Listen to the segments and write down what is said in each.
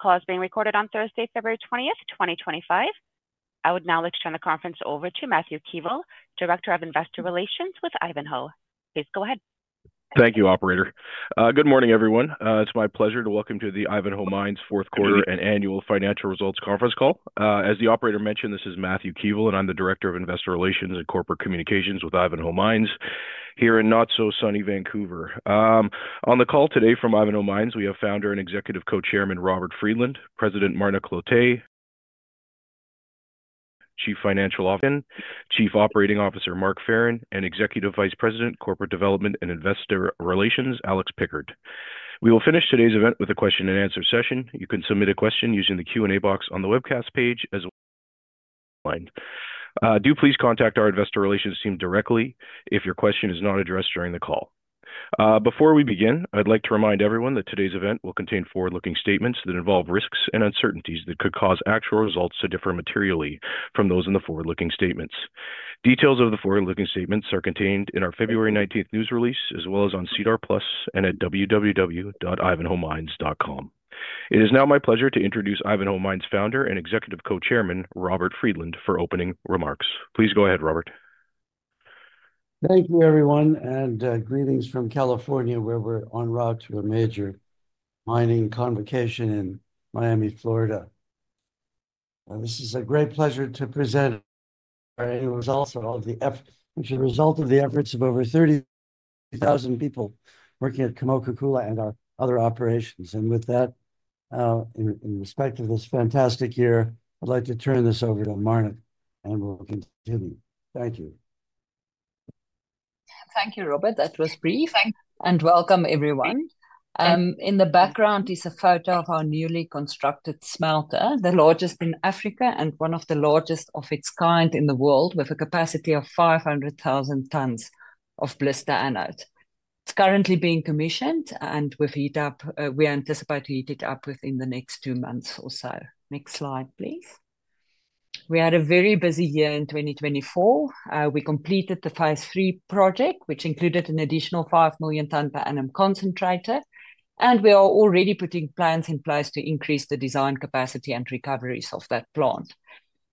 This call is being recorded on Thursday, February 20th, 2025. I would now like to turn the conference over to Matthew Keevil, Director of Investor Relations with Ivanhoe. Please go ahead. Thank you, Operator. Good morning, everyone. It's my pleasure to welcome to the Ivanhoe Mines fourth quarter and annual financial results conference call. As the Operator mentioned, this is Matthew Keevil, and I'm the Director of Investor Relations and Corporate Communications with Ivanhoe Mines here in not-so-sunny Vancouver. On the call today from Ivanhoe Mines, we have Founder and Executive Co-Chairman Robert Friedland, President Marna Cloete, Chief Financial Officer, Chief Operating Officer Mark Farren, and Executive Vice President, Corporate Development and Investor Relations, Alex Pickard. We will finish today's event with a question-and-answer session. You can submit a question using the Q&A box on the webcast page as well as online. Do please contact our Investor Relations team directly if your question is not addressed during the call. Before we begin, I'd like to remind everyone that today's event will contain forward-looking statements that involve risks and uncertainties that could cause actual results to differ materially from those in the forward-looking statements. Details of the forward-looking statements are contained in our February 19th news release as well as on SEDAR+ and at www.ivanhoemines.com. It is now my pleasure to introduce Ivanhoe Mines Founder and Executive Co-Chairman Robert Friedland for opening remarks. Please go ahead, Robert. Thank you, everyone, and greetings from California, where we're en route to a major mining convocation in Miami, Florida. This is a great pleasure to present, and it was also the result of the efforts of over 30,000 people working at Kamoa-Kakula and our other operations, and with that, in respect of this fantastic year, I'd like to turn this over to Marna, and we'll continue. Thank you. Thank you, Robert. That was brief. Welcome, everyone. In the background is a photo of our newly constructed smelter, the largest in Africa and one of the largest of its kind in the world, with a capacity of 500,000 tons of blister anode. It's currently being commissioned, and we anticipate to heat it up within the next two months or so. Next slide, please. We had a very busy year in 2024. We completed the phase III project, which included an additional 5 million ton per annum concentrator, and we are already putting plans in place to increase the design capacity and recoveries of that plant.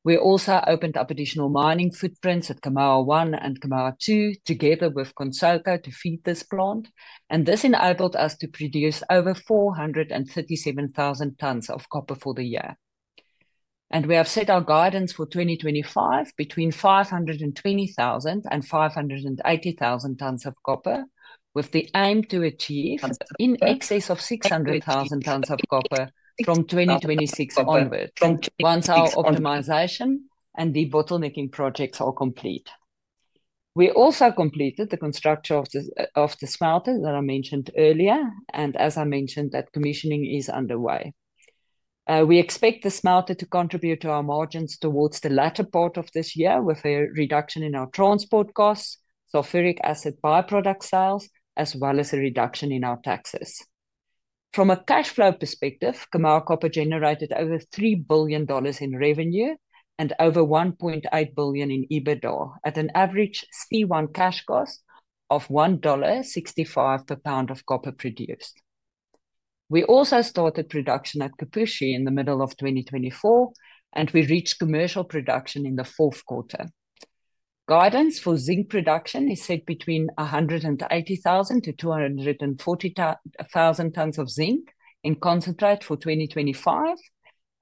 We also opened up additional mining footprints at Kamoa 1 and Kamoa 2 together with Kansoko to feed this plant, and this enabled us to produce over 437,000 tons of copper for the year. We have set our guidance for 2025 between 520,000 and 580,000 tons of copper, with the aim to achieve in excess of 600,000 tons of copper from 2026 onward, once our optimization and the bottlenecking projects are complete. We also completed the construction of the smelter that I mentioned earlier, and as I mentioned, that commissioning is underway. We expect the smelter to contribute to our margins towards the latter part of this year with a reduction in our transport costs, sulfuric acid byproduct sales, as well as a reduction in our taxes. From a cash flow perspective, Kamoa Copper generated over $3 billion in revenue and over $1.8 billion in EBITDA at an average C1 cash cost of $1.65 per pound of copper produced. We also started production at Kipushi in the middle of 2024, and we reached commercial production in the fourth quarter. Guidance for zinc production is set between 180,000 to 240,000 tons of zinc in concentrate for 2025,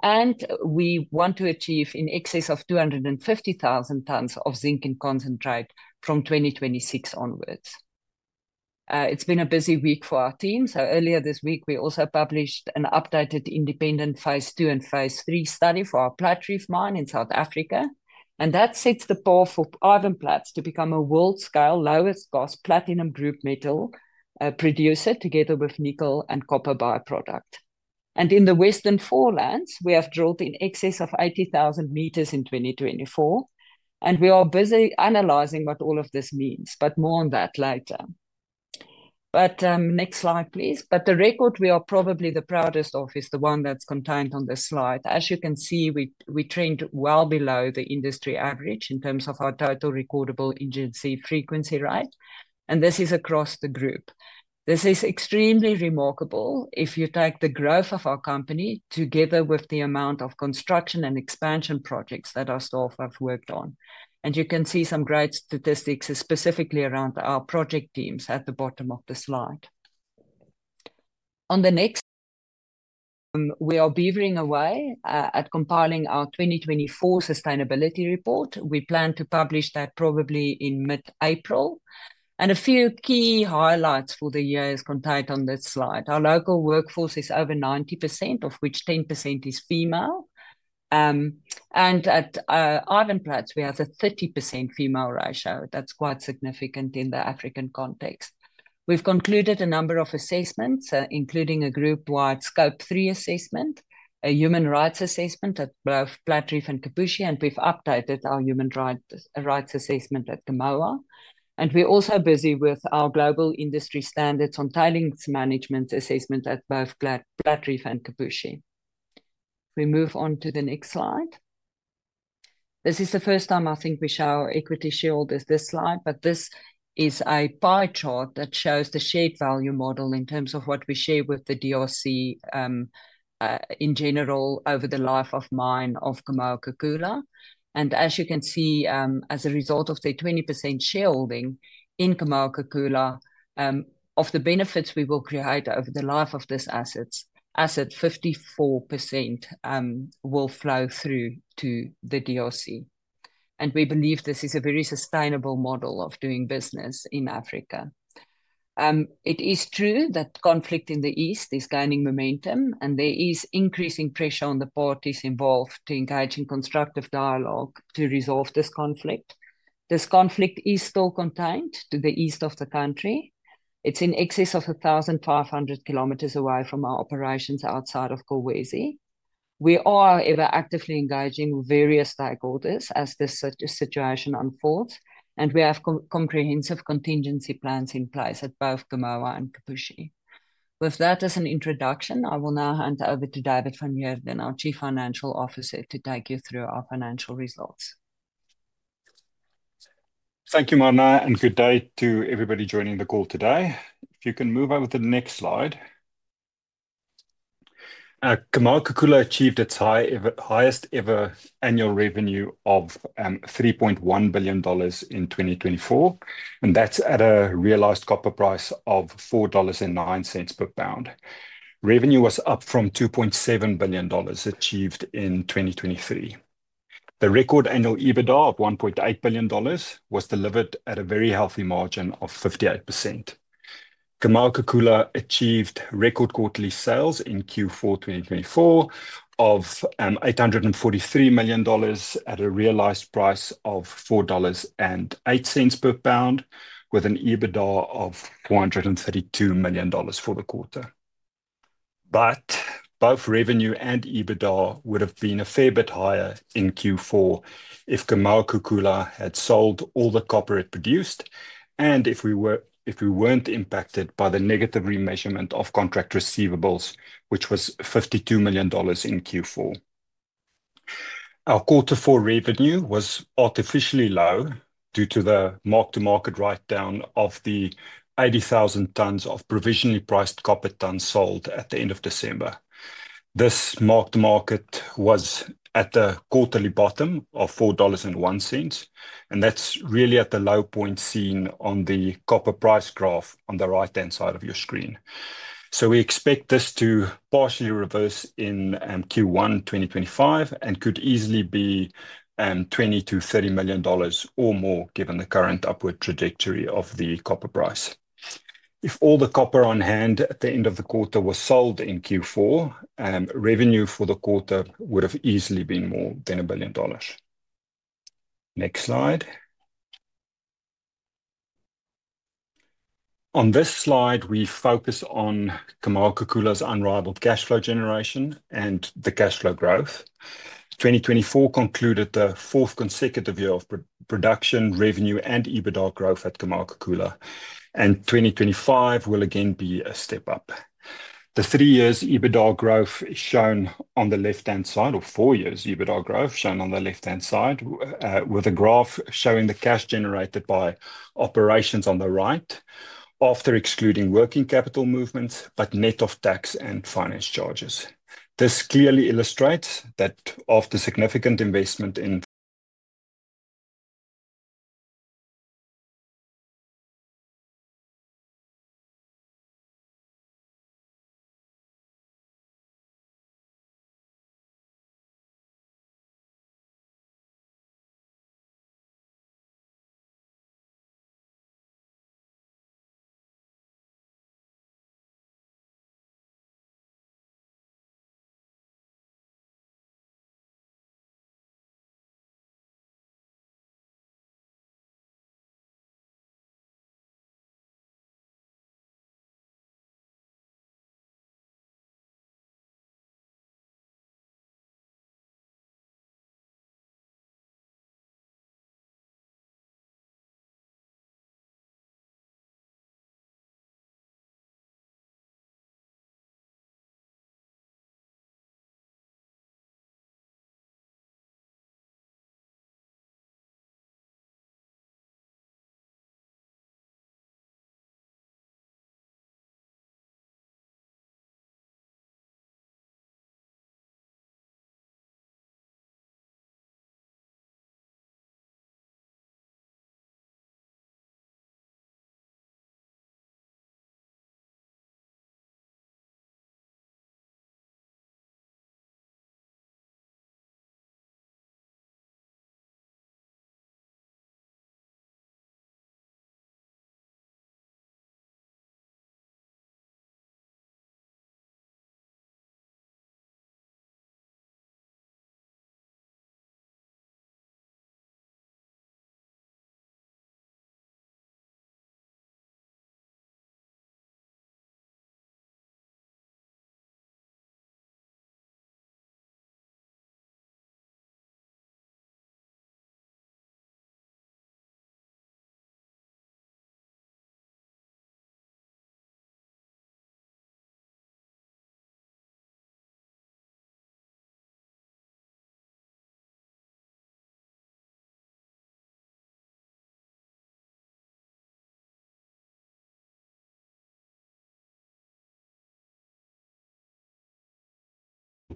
and we want to achieve in excess of 250,000 tons of zinc in concentrate from 2026 onwards. It's been a busy week for our team, so earlier this week, we also published an updated independent phase II and phase III study for our Platreef mine in South Africa, and that sets the path for Ivanplats to become a world-scale lowest-cost platinum group metal producer together with nickel and copper byproduct. And in the Western Forelands, we have drilled in excess of 80,000 m in 2024, and we are busy analyzing what all of this means, but more on that later. But next slide, please. But the record we are probably the proudest of is the one that's contained on this slide. As you can see, we trained well below the industry average in terms of our Total Recordable Injury Frequency Rate, and this is across the group. This is extremely remarkable if you take the growth of our company together with the amount of construction and expansion projects that our staff have worked on. You can see some great statistics specifically around our project teams at the bottom of the slide. On the next, we are beavering away at compiling our 2024 sustainability report. We plan to publish that probably in mid-April, and a few key highlights for the year are contained on this slide. Our local workforce is over 90%, of which 10% is female, and at Ivanplats, we have a 30% female ratio. That's quite significant in the African context. We've concluded a number of assessments, including a group-wide Scope 3 assessment, a human rights assessment at both Platreef and Kipushi, and we've updated our human rights assessment at Kamoa. And we're also busy with our global industry standards on tailings management assessment at both Platreef and Kipushi. If we move on to the next slide, this is the first time I think we show our equity shareholders this slide, but this is a pie chart that shows the shared value model in terms of what we share with the DRC in general over the life of mine of Kamoa-Kakula. As you can see, as a result of the 20% shareholding in Kamoa-Kakula, of the benefits we will create over the life of this asset, 54% will flow through to the DRC. We believe this is a very sustainable model of doing business in Africa. It is true that conflict in the East is gaining momentum, and there is increasing pressure on the parties involved to engage in constructive dialogue to resolve this conflict. This conflict is still contained to the east of the country. It's in excess of 1,500 km away from our operations outside of Kolwezi. We are ever actively engaging with various stakeholders as this situation unfolds, and we have comprehensive contingency plans in place at both Kamoa and Kipushi. With that as an introduction, I will now hand over to David van Heerden, our Chief Financial Officer, to take you through our financial results. Thank you, Marna, and good day to everybody joining the call today. If you can move over to the next slide. Kamoa-Kakula achieved its highest ever annual revenue of $3.1 billion in 2024, and that's at a realized copper price of $4.09 per pound. Revenue was up from $2.7 billion achieved in 2023. The record annual EBITDA of $1.8 billion was delivered at a very healthy margin of 58%. Kamoa-Kakula achieved record quarterly sales in Q4 2024 of $843 million at a realized price of $4.08 per pound, with an EBITDA of $432 million for the quarter. But both revenue and EBITDA would have been a fair bit higher in Q4 if Kamoa-Kakula had sold all the copper it produced and if we weren't impacted by the negative remeasurement of contract receivables, which was $52 million in Q4. Our quarter four revenue was artificially low due to the mark-to-market write-down of the 80,000 tons of provisionally priced copper tons sold at the end of December. This mark-to-market was at the quarterly bottom of $4.01, and that's really at the low point seen on the copper price graph on the right-hand side of your screen. So we expect this to partially reverse in Q1 2025 and could easily be $20-$30 million or more given the current upward trajectory of the copper price. If all the copper on hand at the end of the quarter was sold in Q4, revenue for the quarter would have easily been more than $1 billion. Next slide. On this slide, we focus on Kamoa-Kakula's unrivaled cash flow generation and the cash flow growth. 2024 concluded the fourth consecutive year of production, revenue, and EBITDA growth at Kamoa-Kakula, and 2025 will again be a step up. The three-year EBITDA growth is shown on the left-hand side, or four-year EBITDA growth shown on the left-hand side, with a graph showing the cash generated by operations on the right after excluding working capital movements, but net of tax and finance charges. This clearly illustrates that after significant investment in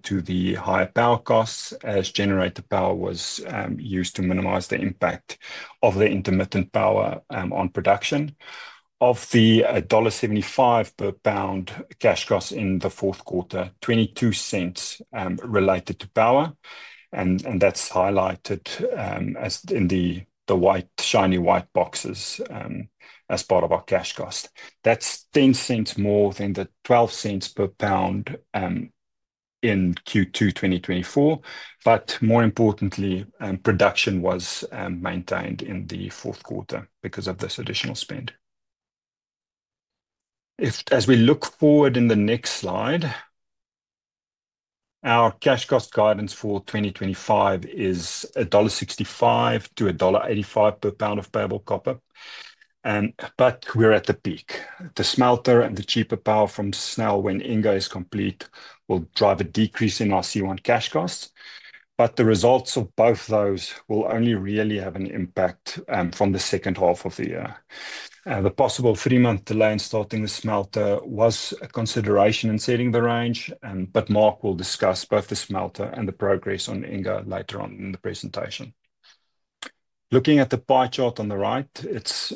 to the higher power costs as generator power was used to minimize the impact of the intermittent power on production. Of the $1.75 per pound cash cost in the fourth quarter, $0.22 related to power, and that's highlighted in the shiny white boxes as part of our cash cost. That's $0.10 more than the $0.12 per pound in Q2 2024, but more importantly, production was maintained in the fourth quarter because of this additional spend. As we look forward in the next slide, our cash cost guidance for 2025 is $1.65-$1.85 per pound of payable copper, but we're at the peak. The smelter and the cheaper power from SNEL when Inga is complete will drive a decrease in our C1 cash costs, but the results of both those will only really have an impact from the second half of the year. The possible three-month delay in starting the smelter was a consideration in setting the range, but Mark will discuss both the smelter and the progress on Inga later on in the presentation. Looking at the pie chart on the right, it's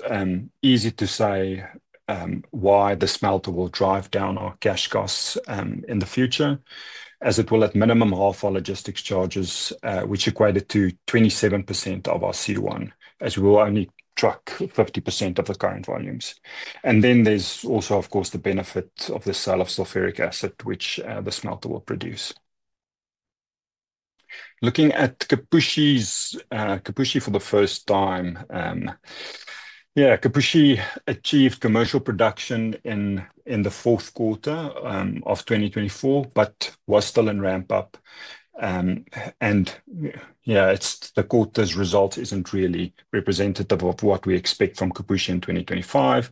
easy to say why the smelter will drive down our cash costs in the future, as it will at minimum half our logistics charges, which equated to 27% of our C1, as we will only truck 50% of the current volumes, and then there's also, of course, the benefit of the sale of sulfuric acid, which the smelter will produce. Looking at Kipushi for the first time, yeah, Kipushi achieved commercial production in the fourth quarter of 2024, but was still in ramp-up, and yeah, the quarter's result isn't really representative of what we expect from Kipushi in 2025.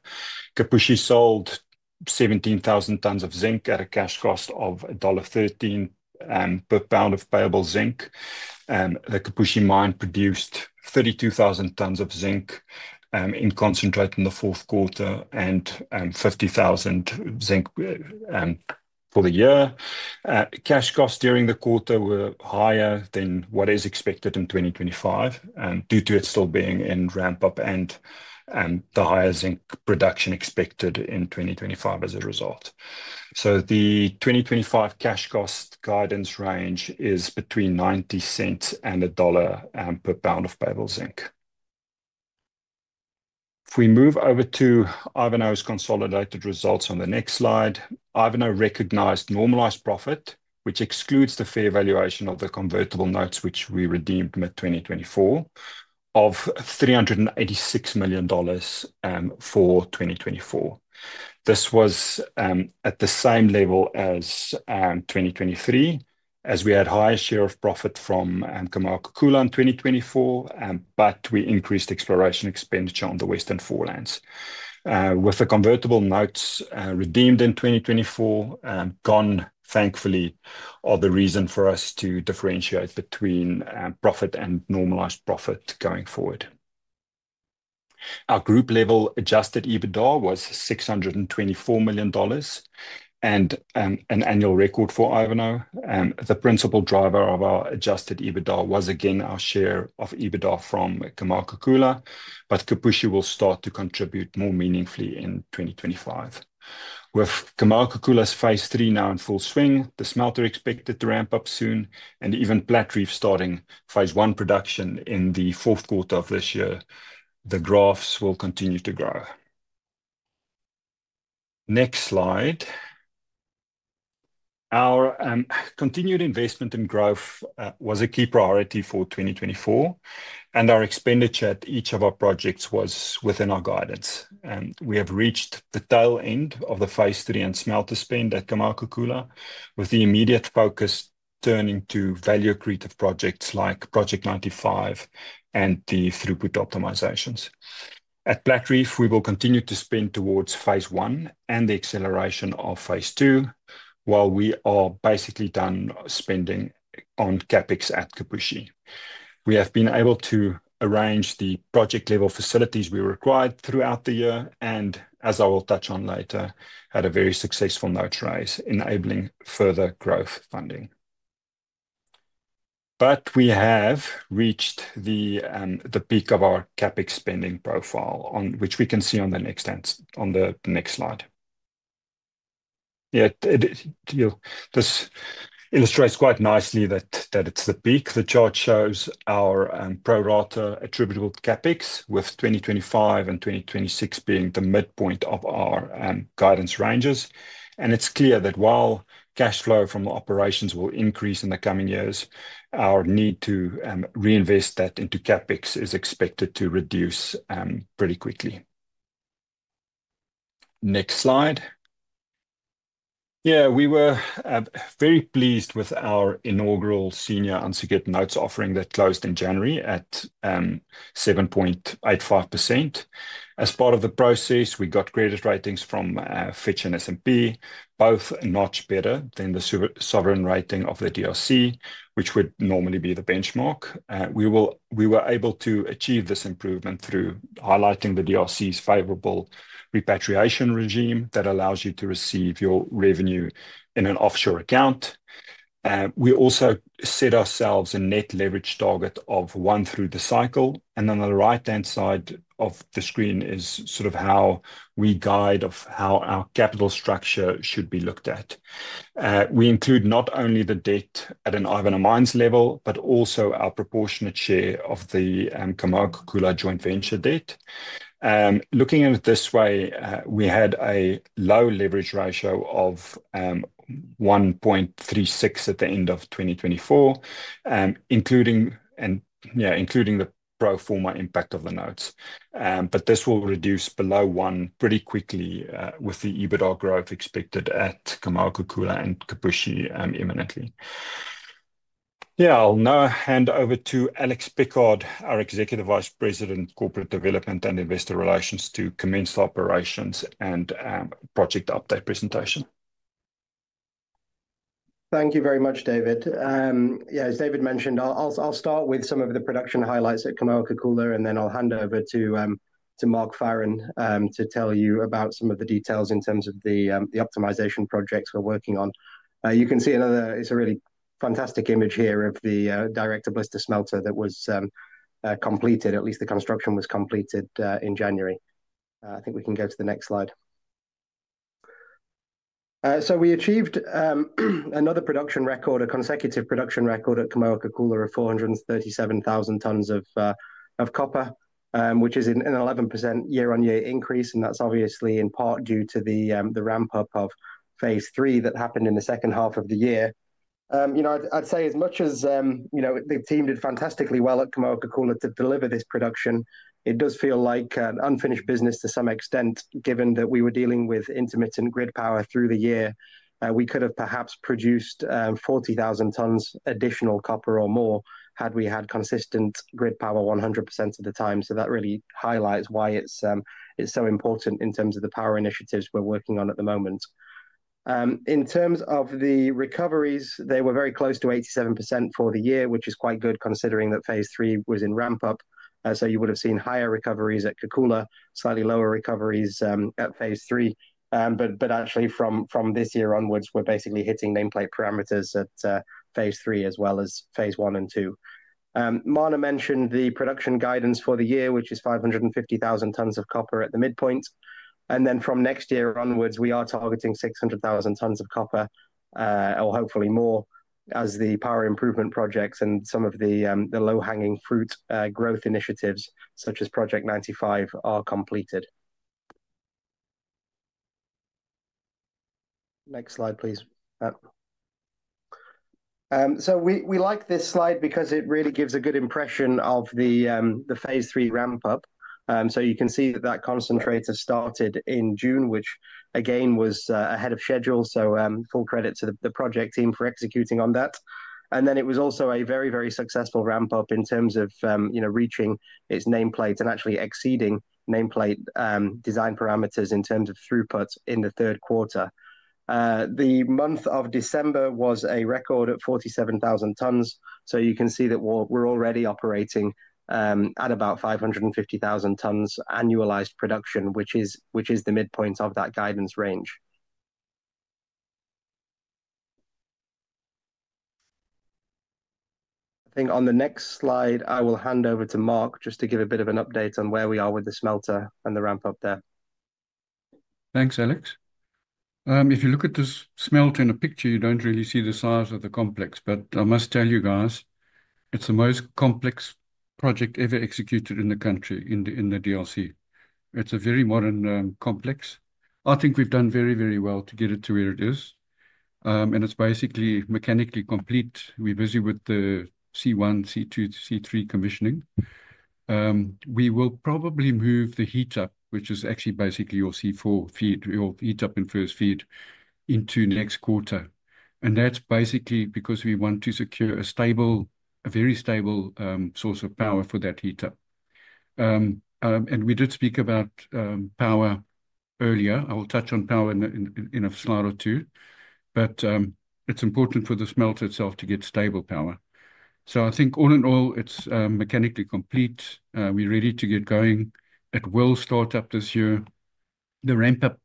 Kipushi sold 17,000 tons of zinc at a cash cost of $1.13 per pound of payable zinc. The Kipushi mine produced 32,000 tons of zinc in concentrate in the fourth quarter and 50,000 zinc for the year. Cash costs during the quarter were higher than what is expected in 2025 due to it still being in ramp-up and the higher zinc production expected in 2025 as a result. So the 2025 cash cost guidance range is between $0.90 and $1 per pound of payable zinc. If we move over to Ivanhoe's consolidated results on the next slide, Ivanhoe recognized normalized profit, which excludes the fair valuation of the convertible notes, which we redeemed mid-2024, of $386 million for 2024. This was at the same level as 2023, as we had a higher share of profit from Kamoa-Kakula in 2024, but we increased exploration expenditure on the Western Forelands. With the convertible notes redeemed in 2024, gone, thankfully, are the reason for us to differentiate between profit and normalized profit going forward. Our group-level adjusted EBITDA was $624 million, and an annual record for Ivanhoe. The principal driver of our adjusted EBITDA was again our share of EBITDA from Kamoa-Kakula, but Kipushi will start to contribute more meaningfully in 2025. With Kamoa-Kakula's phase III now in full swing, the smelter expected to ramp up soon, and even Platreef starting phase I production in the fourth quarter of this year, the graphs will continue to grow. Next slide. Our continued investment in growth was a key priority for 2024, and our expenditure at each of our projects was within our guidance. We have reached the tail end of the phase III and smelter spend at Kamoa-Kakula, with the immediate focus turning to value creative projects like Project 95 and the throughput optimizations. At Platreef, we will continue to spend towards phase I and the acceleration of phase II, while we are basically done spending on CapEx at Kipushi. We have been able to arrange the project-level facilities we required throughout the year, and as I will touch on later, had a very successful note issuance enabling further growth funding, but we have reached the peak of our CapEx spending profile, which we can see on the next slide. This illustrates quite nicely that it's the peak. The chart shows our pro rata attributable CapEx, with 2025 and 2026 being the midpoint of our guidance ranges, and it's clear that while cash flow from operations will increase in the coming years, our need to reinvest that into CapEx is expected to reduce pretty quickly. Next slide. Yeah, we were very pleased with our inaugural senior unsecured notes offering that closed in January at 7.85%. As part of the process, we got credit ratings from Fitch and S&P, both notch better than the sovereign rating of the DRC, which would normally be the benchmark. We were able to achieve this improvement through highlighting the DRC's favorable repatriation regime that allows you to receive your revenue in an offshore account. We also set ourselves a net leverage target of one through the cycle, and then on the right-hand side of the screen is sort of how we guide how our capital structure should be looked at. We include not only the debt at an Ivanhoe Mines level, but also our proportionate share of the Kamoa-Kakula joint venture debt. Looking at it this way, we had a low leverage ratio of 1.36 at the end of 2024, including the pro forma impact of the notes. But this will reduce below one pretty quickly with the EBITDA growth expected at Kamoa-Kakula and Kipushi imminently. Yeah, I'll now hand over to Alex Pickard, our Executive Vice President, Corporate Development and Investor Relations, to commence the operations and project update presentation. Thank you very much, David. Yeah, as David mentioned, I'll start with some of the production highlights at Kamoa-Kakula, and then I'll hand over to Mark Farren, to tell you about some of the details in terms of the optimization projects we're working on. You can see another, it's a really fantastic image here of the Direct-to-Blister smelter that was completed, at least the construction was completed in January. I think we can go to the next slide. We achieved another production record, a consecutive production record at Kamoa-Kakula of 437,000 tons of copper, which is an 11% year-on-year increase, and that's obviously in part due to the ramp-up of phase III that happened in the second half of the year. I'd say as much as the team did fantastically well at Kamoa-Kakula to deliver this production, it does feel like an unfinished business to some extent, given that we were dealing with intermittent grid power through the year. We could have perhaps produced 40,000 tons additional copper or more had we had consistent grid power 100% of the time. So that really highlights why it's so important in terms of the power initiatives we're working on at the moment. In terms of the recoveries, they were very close to 87% for the year, which is quite good considering that phase III was in ramp-up. You would have seen higher recoveries at Kakula, slightly lower recoveries at phase III. Actually, from this year onwards, we're basically hitting nameplate parameters at phase III as well as phase I and two. Marna mentioned the production guidance for the year, which is 550,000 tons of copper at the midpoint. From next year onwards, we are targeting 600,000 tons of copper, or hopefully more, as the power improvement projects and some of the low-hanging fruit growth initiatives, such as Project 95, are completed. Next slide, please. We like this slide because it really gives a good impression of the phase III ramp-up. You can see that that concentrator started in June, which again was ahead of schedule. Full credit to the project team for executing on that. It was also a very, very successful ramp-up in terms of reaching its nameplate and actually exceeding nameplate design parameters in terms of throughput in the third quarter. The month of December was a record at 47,000 tons. So you can see that we're already operating at about 550,000 tons annualized production, which is the midpoint of that guidance range. I think on the next slide, I will hand over to Mark just to give a bit of an update on where we are with the smelter and the ramp-up there. Thanks, Alex. If you look at the smelter in a picture, you don't really see the size of the complex, but I must tell you guys, it's the most complex project ever executed in the country in the DRC. It's a very modern complex. I think we've done very, very well to get it to where it is. And it's basically mechanically complete. We're busy with the C1, C2, C3 commissioning. We will probably move the heater, which is actually basically your C4 feed, your heat up in first feed, into next quarter. And that's basically because we want to secure a very stable source of power for that heater. And we did speak about power earlier. I will touch on power in a slide or two, but it's important for the smelter itself to get stable power. So I think all in all, it's mechanically complete. We're ready to get going. It will start up this year. The ramp-up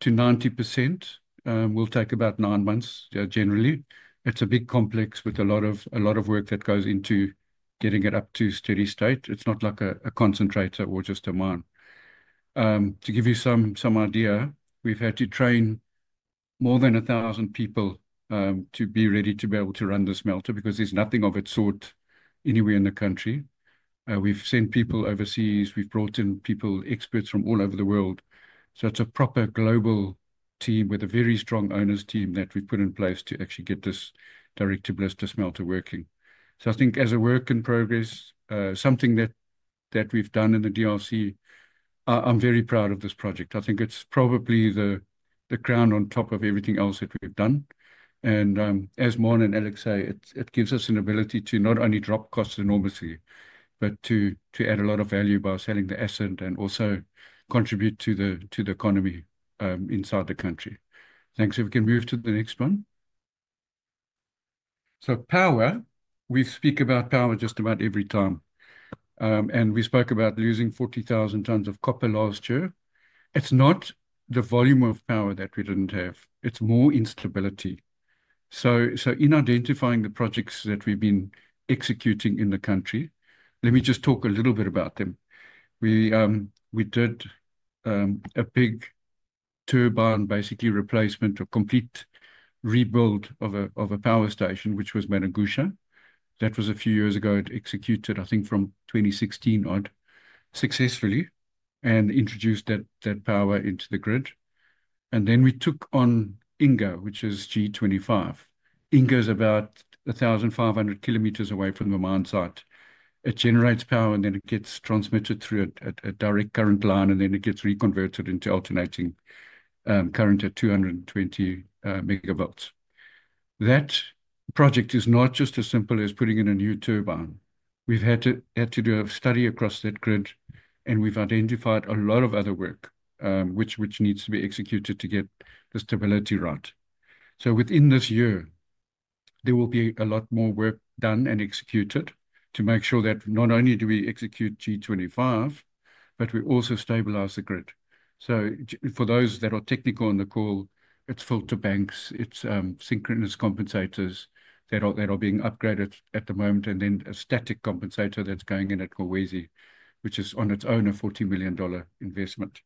to 90% will take about nine months, generally. It's a big complex with a lot of work that goes into getting it up to steady state. It's not like a concentrator or just a mine. To give you some idea, we've had to train more than 1,000 people to be ready to be able to run the smelter because there's nothing of its sort anywhere in the country. We've sent people overseas. We've brought in people, experts from all over the world. So it's a proper global team with a very strong owners team that we've put in place to actually get this Direct-to-Blister smelter working. So I think as a work in progress, something that we've done in the DRC, I'm very proud of this project. I think it's probably the crown on top of everything else that we've done. And as Marna and Alex say, it gives us an ability to not only drop costs enormously, but to add a lot of value by selling the asset and also contribute to the economy inside the country. Thanks. If we can move to the next one. So power, we speak about power just about every time. And we spoke about losing 40,000 tons of copper last year. It's not the volume of power that we didn't have. It's more instability. So in identifying the projects that we've been executing in the country, let me just talk a little bit about them. We did a big turbine basically replacement or complete rebuild of a power station, which was Mwadingusha. That was a few years ago executed, I think from 2016 on, successfully, and introduced that power into the grid. And then we took on Inga, which is G25. Inga is about 1,500 km away from the mine site. It generates power, and then it gets transmitted through a direct current line, and then it gets reconverted into alternating current at 220 MV. That project is not just as simple as putting in a new turbine. We've had to do a study across that grid, and we've identified a lot of other work which needs to be executed to get the stability right, so within this year, there will be a lot more work done and executed to make sure that not only do we execute G25, but we also stabilize the grid, so for those that are technical on the call, it's filter banks, it's synchronous compensators that are being upgraded at the moment, and then a static compensator that's going in at Kolwezi, which is on its own a $40 million investment.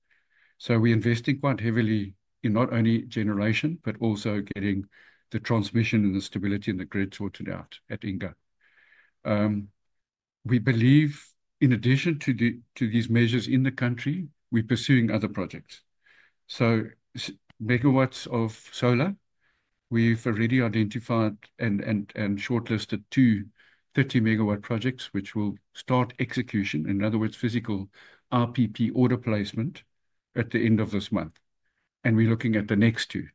We're investing quite heavily in not only generation, but also getting the transmission and the stability and the grid sorted out at Inga. We believe in addition to these measures in the country, we're pursuing other projects. Megawatts of solar, we've already identified and shortlisted two 30 MW projects, which will start execution, in other words, physical RPP order placement at the end of this month. We're looking at the next two.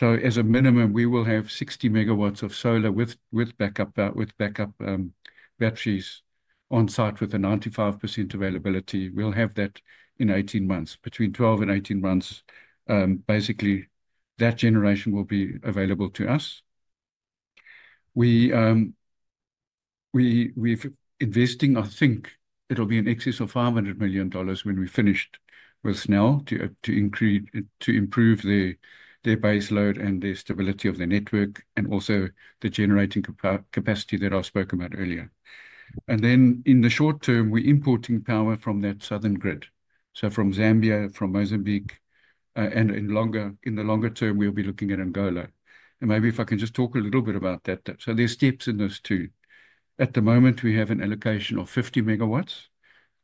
As a minimum, we will have 60 MW of solar with backup batteries on site with a 95% availability. We'll have that in 18 months. Between 12 and 18 months, basically, that generation will be available to us. We're investing, I think it'll be in excess of $500 million when we're finished with SNEL to improve their base load and the stability of their network and also the generating capacity that I spoke about earlier. Then in the short term, we're importing power from that southern grid. From Zambia, from Mozambique, and in the longer term, we'll be looking at Angola. Maybe if I can just talk a little bit about that. There's steps in those two. At the moment, we have an allocation of 50 MW,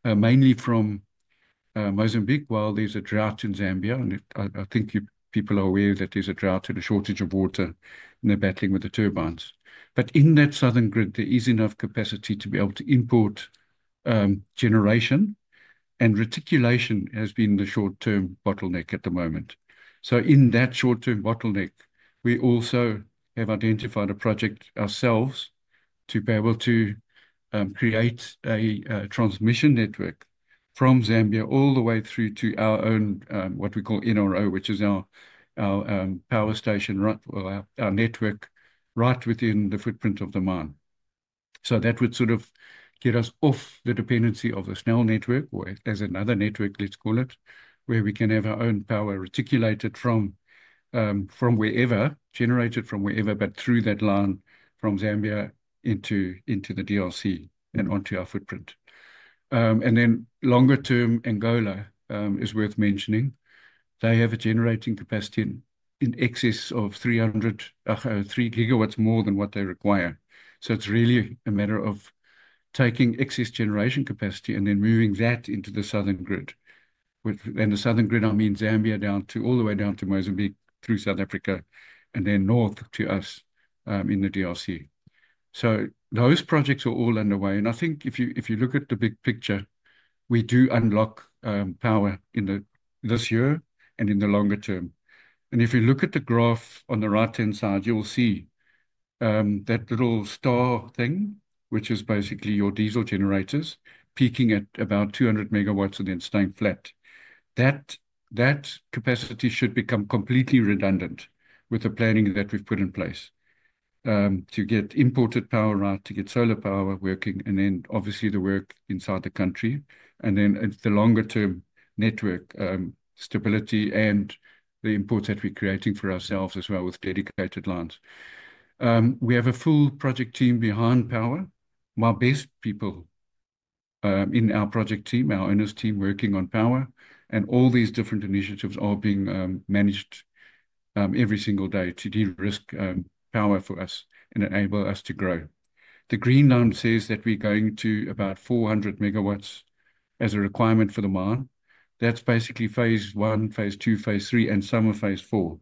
mainly from Mozambique, while there's a drought in Zambia. I think people are aware that there's a drought and a shortage of water and they're battling with the turbines. In that southern grid, there is enough capacity to be able to import generation. Reticulation has been the short-term bottleneck at the moment. So in that short-term bottleneck, we also have identified a project ourselves to be able to create a transmission network from Zambia all the way through to our own, what we call NRO, which is our power station, our network right within the footprint of the mine. So that would sort of get us off the dependency of the SNEL network, or as another network, let's call it, where we can have our own power reticulated from wherever, generated from wherever, but through that line from Zambia into the DRC and onto our footprint. And then longer-term, Angola is worth mentioning. They have a generating capacity in excess of 300 to 3 GW more than what they require. So it's really a matter of taking excess generation capacity and then moving that into the southern grid. And the southern grid, I mean Zambia down to all the way down to Mozambique through South Africa and then north to us in the DRC. So those projects are all underway. And I think if you look at the big picture, we do unlock power this year and in the longer term. And if you look at the graph on the right-hand side, you'll see that little star thing, which is basically your diesel generators peaking at about 200 MW and then staying flat. That capacity should become completely redundant with the planning that we've put in place to get imported power right, to get solar power working, and then obviously the work inside the country, and then the longer-term network stability and the imports that we're creating for ourselves as well with dedicated lines. We have a full project team behind power. My best people in our project team, our owners team working on power, and all these different initiatives are being managed every single day to de-risk power for us and enable us to grow. The green line says that we're going to about 400 MW as a requirement for the mine. That's basically phase I, phase II, phase III, and summer phase IV.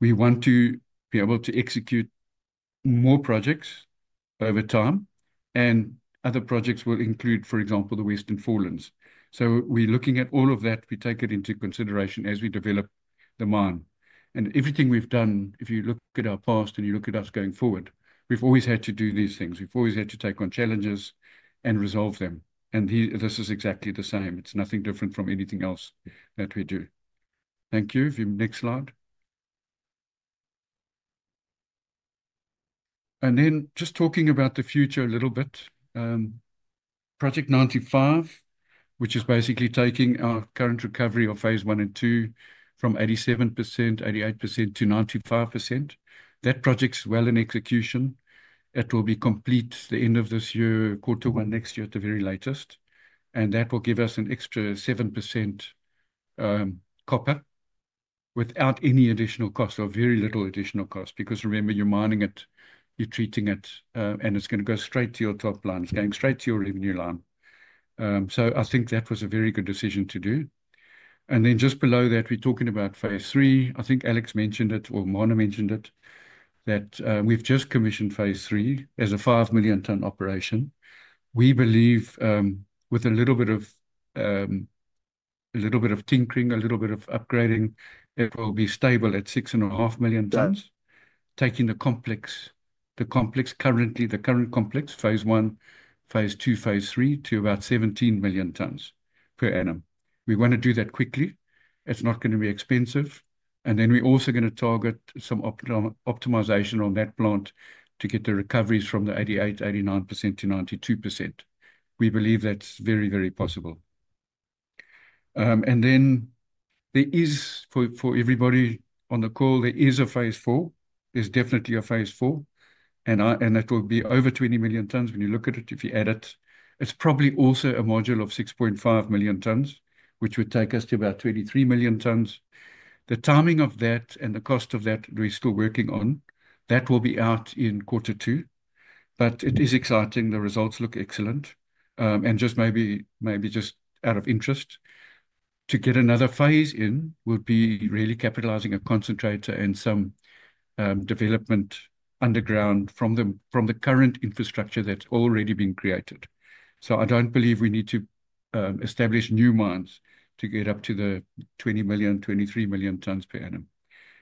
We want to be able to execute more projects over time, and other projects will include, for example, the Western Forelands. So we're looking at all of that. We take it into consideration as we develop the mine. And everything we've done, if you look at our past and you look at us going forward, we've always had to do these things. We've always had to take on challenges and resolve them. And this is exactly the same. It's nothing different from anything else that we do. Thank you. Next slide, and then just talking about the future a little bit. Project 95, which is basically taking our current recovery of phase I and II from 87%, 88% to 95%. That project's well in execution. It will be complete the end of this year, quarter one next year at the very latest. And that will give us an extra 7% copper without any additional cost or very little additional cost because remember, you're mining it, you're treating it, and it's going to go straight to your top line, it's going straight to your revenue line. So I think that was a very good decision to do. And then just below that, we're talking about phase III. I think Alex mentioned it or Marna mentioned it, that we've just commissioned phase III as a 5 million ton operation. We believe with a little bit of tinkering, a little bit of upgrading, it will be stable at 6.5 million tons, taking the complex current complex, phase I, phase II, phase III to about 17 million tons per annum. We want to do that quickly. It's not going to be expensive. And then we're also going to target some optimization on that plant to get the recoveries from the 88%-89% to 92%. We believe that's very, very possible. And then for everybody on the call, there is a phase IV. There's definitely a phase IV. And that will be over 20 million tons when you look at it, if you add it. It's probably also a module of 6.5 million tons, which would take us to about 23 million tons. The timing of that and the cost of that we're still working on, that will be out in quarter two, but it is exciting. The results look excellent, and just maybe just out of interest, to get another phase in would be really capitalizing a concentrator and some development underground from the current infrastructure that's already been created. So I don't believe we need to establish new mines to get up to the 20 million, 23 million tons per annum,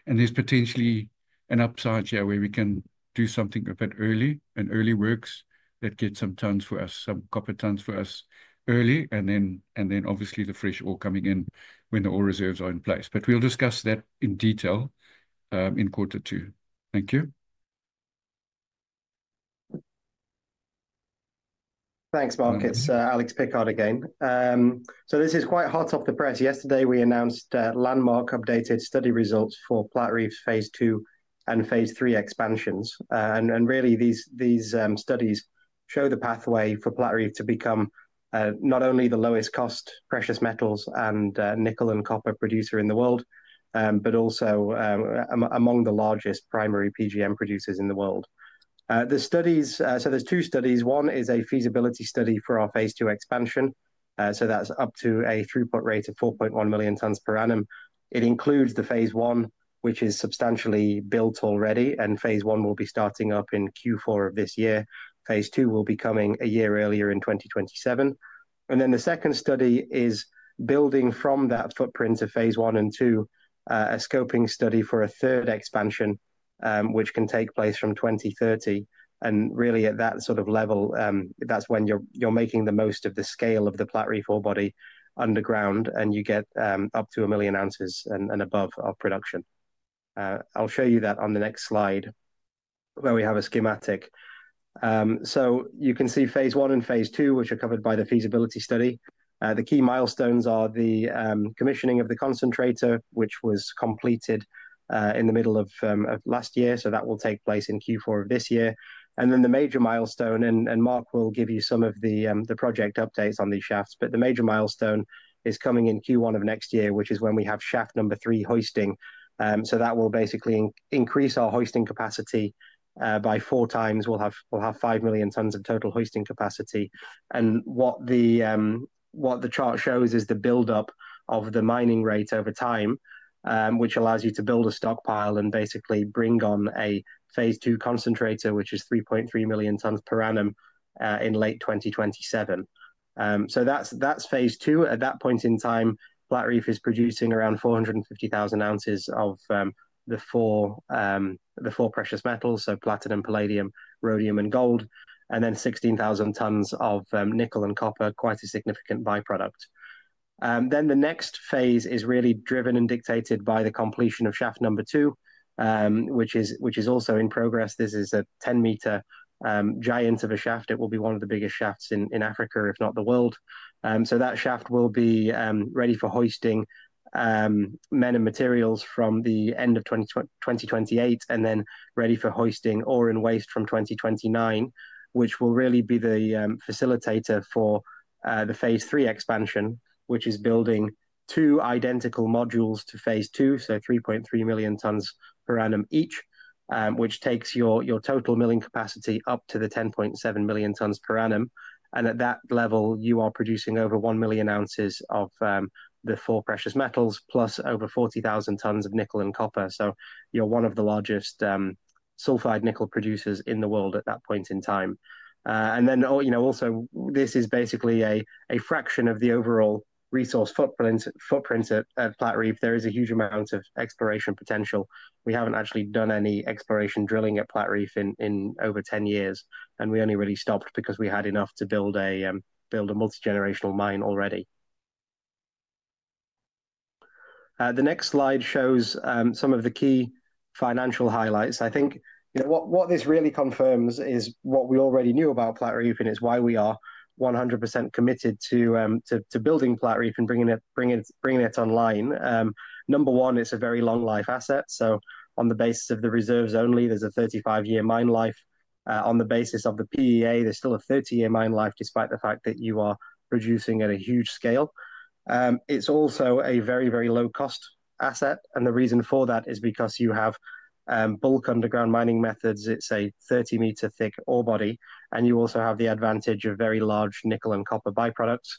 and there's potentially an upside here where we can do something a bit early, an early works that get some tons for us, some copper tons for us early, and then obviously the fresh ore coming in when the ore reserves are in place, but we'll discuss that in detail in quarter two. Thank you. Thanks, Mark. It's Alex Pickard again, so this is quite hot off the press. Yesterday, we announced landmark updated study results for Platreef's phase II and phase III expansions. Really, these studies show the pathway for Platreef to become not only the lowest cost precious metals and nickel and copper producer in the world, but also among the largest primary PGM producers in the world. There's two studies. One is a feasibility study for our phase II expansion. That's up to a throughput rate of 4.1 million tons per annum. It includes the phase I, which is substantially built already, and phase I will be starting up in Q4 of this year. phase II will be coming a year earlier in 2027. Then the second study is building from that footprint of phase I and II, a scoping study for a third expansion, which can take place from 2030. And really, at that sort of level, that's when you're making the most of the scale of the Platreef ore body underground, and you get up to a million ounces and above of production. I'll show you that on the next slide where we have a schematic. So you can see phase I and phase II, which are covered by the feasibility study. The key milestones are the commissioning of the concentrator, which was completed in the middle of last year. So that will take place in Q4 of this year. And then the major milestone, and Mark will give you some of the project updates on these shafts, but the major milestone is coming in Q1 of next year, which is when we have shaft number three hoisting. So that will basically increase our hoisting capacity by 4x. We'll have 5 million tons of total hoisting capacity. What the chart shows is the buildup of the mining rate over time, which allows you to build a stockpile and basically bring on a phase II concentrator, which is 3.3 million tons per annum in late 2027. That's phase II. At that point in time, Platreef is producing around 450,000 ounces of the four precious metals, so platinum, palladium, rhodium, and gold, and then 16,000 tons of nickel and copper, quite a significant byproduct. The next phase is really driven and dictated by the completion of shaft number two, which is also in progress. This is a 10-meter giant of a shaft. It will be one of the biggest shafts in Africa, if not the world. So that shaft will be ready for hoisting men and materials from the end of 2028 and then ready for hoisting ore and waste from 2029, which will really be the facilitator for the phase III expansion, which is building two identical modules to phase II, so 3.3 million tons per annum each, which takes your total milling capacity up to the 10.7 million tons per annum. And at that level, you are producing over one million ounces of the four precious metals, plus over 40,000 tons of nickel and copper. So you're one of the largest sulfide nickel producers in the world at that point in time. And then also, this is basically a fraction of the overall resource footprint at Platreef. There is a huge amount of exploration potential. We haven't actually done any exploration drilling at Platreef in over 10 years, and we only really stopped because we had enough to build a multi-generational mine already. The next slide shows some of the key financial highlights. I think what this really confirms is what we already knew about Platreef, and it's why we are 100% committed to building Platreef and bringing it online. Number one, it's a very long-life asset. So on the basis of the reserves only, there's a 35-year mine life. On the basis of the PEA, there's still a 30-year mine life despite the fact that you are producing at a huge scale. It's also a very, very low-cost asset. And the reason for that is because you have bulk underground mining methods. It's a 30-meter thick ore body. And you also have the advantage of very large nickel and copper byproducts.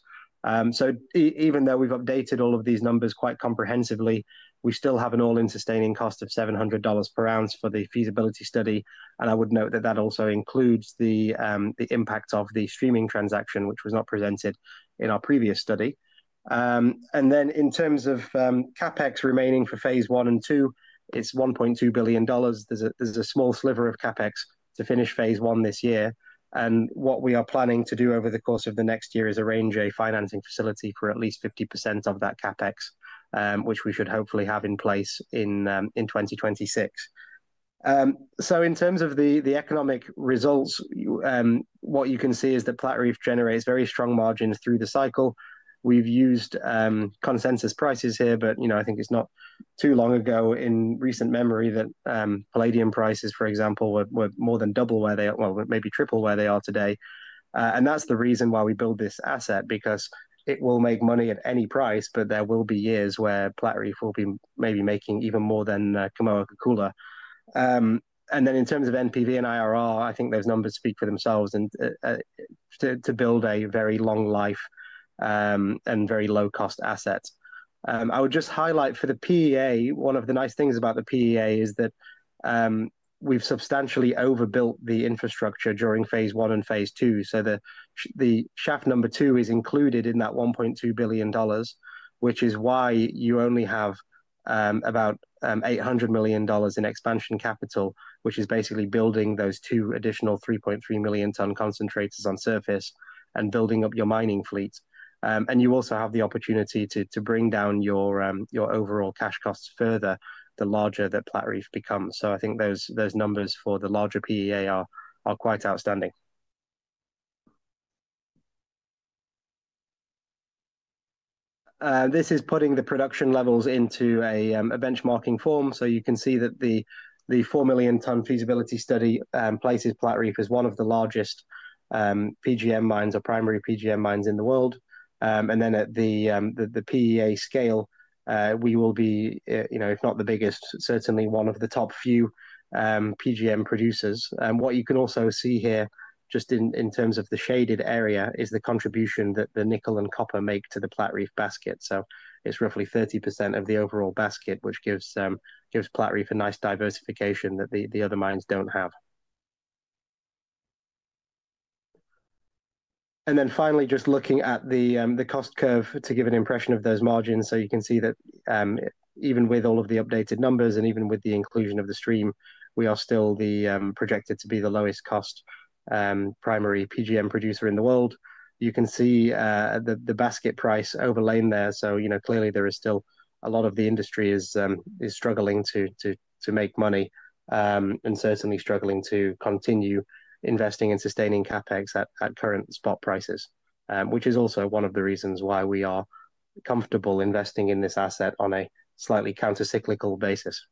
So even though we've updated all of these numbers quite comprehensively, we still have an all-in sustaining cost of $700 per ounce for the feasibility study. And I would note that that also includes the impact of the streaming transaction, which was not presented in our previous study. And then in terms of CapEx remaining for phase I and II, it's $1.2 billion. There's a small sliver of CapEx to finish phase I this year. And what we are planning to do over the course of the next year is arrange a financing facility for at least 50% of that CapEx, which we should hopefully have in place in 2026. So in terms of the economic results, what you can see is that Platreef generates very strong margins through the cycle. We've used consensus prices here, but I think it's not too long ago in recent memory that palladium prices, for example, were more than double where they are, well, maybe triple where they are today. And that's the reason why we build this asset, because it will make money at any price, but there will be years where Platreef will be maybe making even more than Kamoa-Kakula. And then in terms of NPV and IRR, I think those numbers speak for themselves to build a very long-life and very low-cost asset. I would just highlight for the PEA, one of the nice things about the PEA is that we've substantially overbuilt the infrastructure during phase I and phase II. So the shaft number two is included in that $1.2 billion, which is why you only have about $800 million in expansion capital, which is basically building those two additional 3.3 million ton concentrators on surface and building up your mining fleet. And you also have the opportunity to bring down your overall cash costs further the larger that Platreef becomes. So I think those numbers for the larger PEA are quite outstanding. This is putting the production levels into a benchmarking form. So you can see that the 4 million ton feasibility study places Platreef as one of the largest PGM mines or primary PGM mines in the world. And then at the PEA scale, we will be, if not the biggest, certainly one of the top few PGM producers. What you can also see here, just in terms of the shaded area, is the contribution that the nickel and copper make to the Platreef basket. It's roughly 30% of the overall basket, which gives Platreef a nice diversification that the other mines don't have. Then finally, just looking at the cost curve to give an impression of those margins. You can see that even with all of the updated numbers and even with the inclusion of the stream, we are still projected to be the lowest cost primary PGM producer in the world. You can see the basket price overlain there. So clearly, there is still a lot of the industry is struggling to make money and certainly struggling to continue investing and sustaining CapEx at current spot prices, which is also one of the reasons why we are comfortable investing in this asset on a slightly countercyclical basis.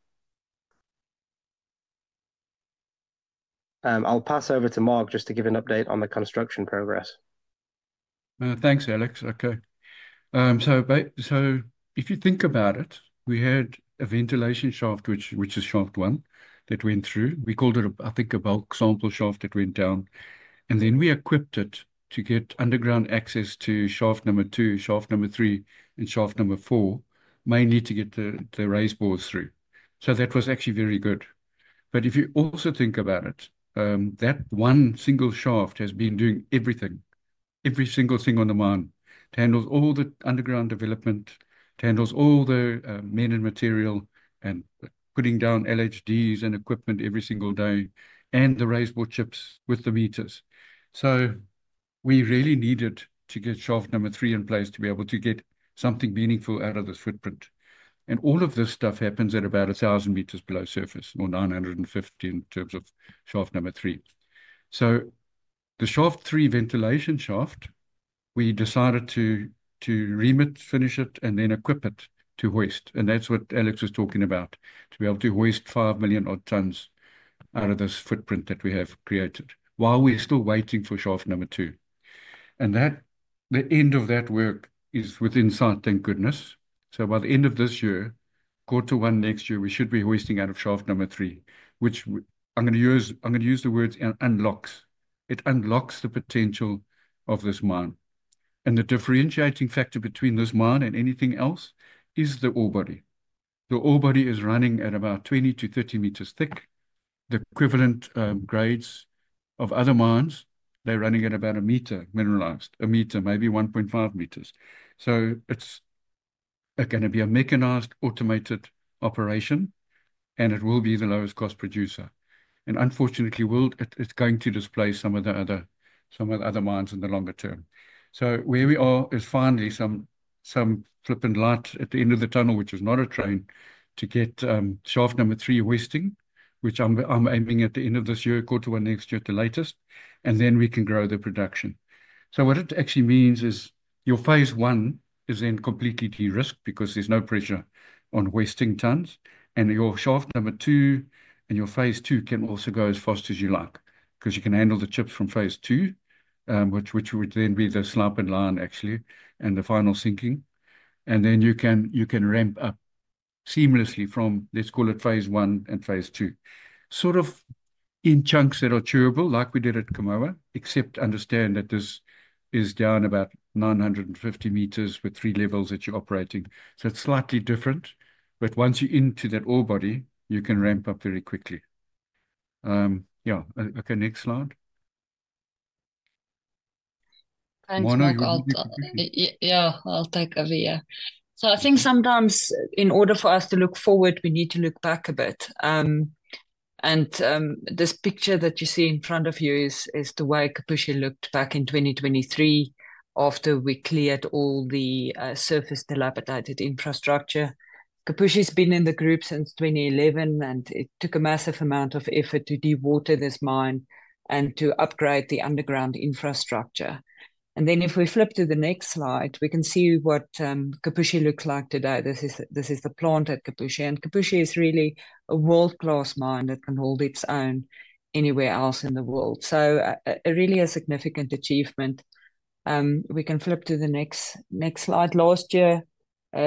I'll pass over to Mark just to give an update on the construction progress. Thanks, Alex. Okay. So if you think about it, we had a ventilation shaft, which is shaft one, that went through. We called it, I think, a bulk sample shaft that went down. And then we equipped it to get underground access to shaft number two, shaft number three, and shaft number four, mainly to get the raise bores through. So that was actually very good. But if you also think about it, that one single shaft has been doing everything, every single thing on the mine, to handle all the underground development, to handle all the men and material, and putting down LHDs and equipment every single day, and the raise-bore chips with the meters. So we really needed to get shaft number three in place to be able to get something meaningful out of this footprint. And all of this stuff happens at about 1,000 m below surface or 950 m in terms of shaft number three. So the shaft three ventilation shaft, we decided to rehabilitate, finish it, and then equip it to hoist. And that's what Alex was talking about, to be able to hoist 5 million tons out of this footprint that we have created while we're still waiting for shaft number two. The end of that work is within sight, thank goodness. By the end of this year, quarter one next year, we should be hoisting out of shaft number three, which I'm going to use the words unlocks. It unlocks the potential of this mine. The differentiating factor between this mine and anything else is the ore body. The ore body is running at about 20 m-30 m thick. The equivalent grades of other mines, they're running at about a meter, mineralized, a meter, maybe 1.5 m. It's going to be a mechanized, automated operation, and it will be the lowest cost producer. Unfortunately, it's going to displace some of the other mines in the longer term. Where we are is finally some flipping light at the end of the tunnel, which is not a train, to get shaft number three hoisting, which I'm aiming at the end of this year, quarter one next year at the latest, and then we can grow the production. What it actually means is your phase I is then completely de-risked because there's no pressure on hoisting tons. Your shaft number two and your phase II can also go as fast as you like because you can handle the chips from phase II, which would then be the slump and line, actually, and the final sinking. Then you can ramp up seamlessly from, let's call it phase I and phase II, sort of in chunks that are chewable, like we did at Kamoa, except understand that this is down about 950 m with three levels that you're operating. It's slightly different. Once you're into that ore body, you can ramp up very quickly. Yeah. Okay. Next slide. Yeah. I'll take over here. I think sometimes, in order for us to look forward, we need to look back a bit. This picture that you see in front of you is the way Kipushi looked back in 2023 after we cleared all the surface dilapidated infrastructure. Kipushi has been in the group since 2011, and it took a massive amount of effort to dewater this mine and to upgrade the underground infrastructure. And then if we flip to the next slide, we can see what Kipushi looks like today. This is the plant at Kipushi. And Kipushi is really a world-class mine that can hold its own anywhere else in the world. So really a significant achievement. We can flip to the next slide. Last year,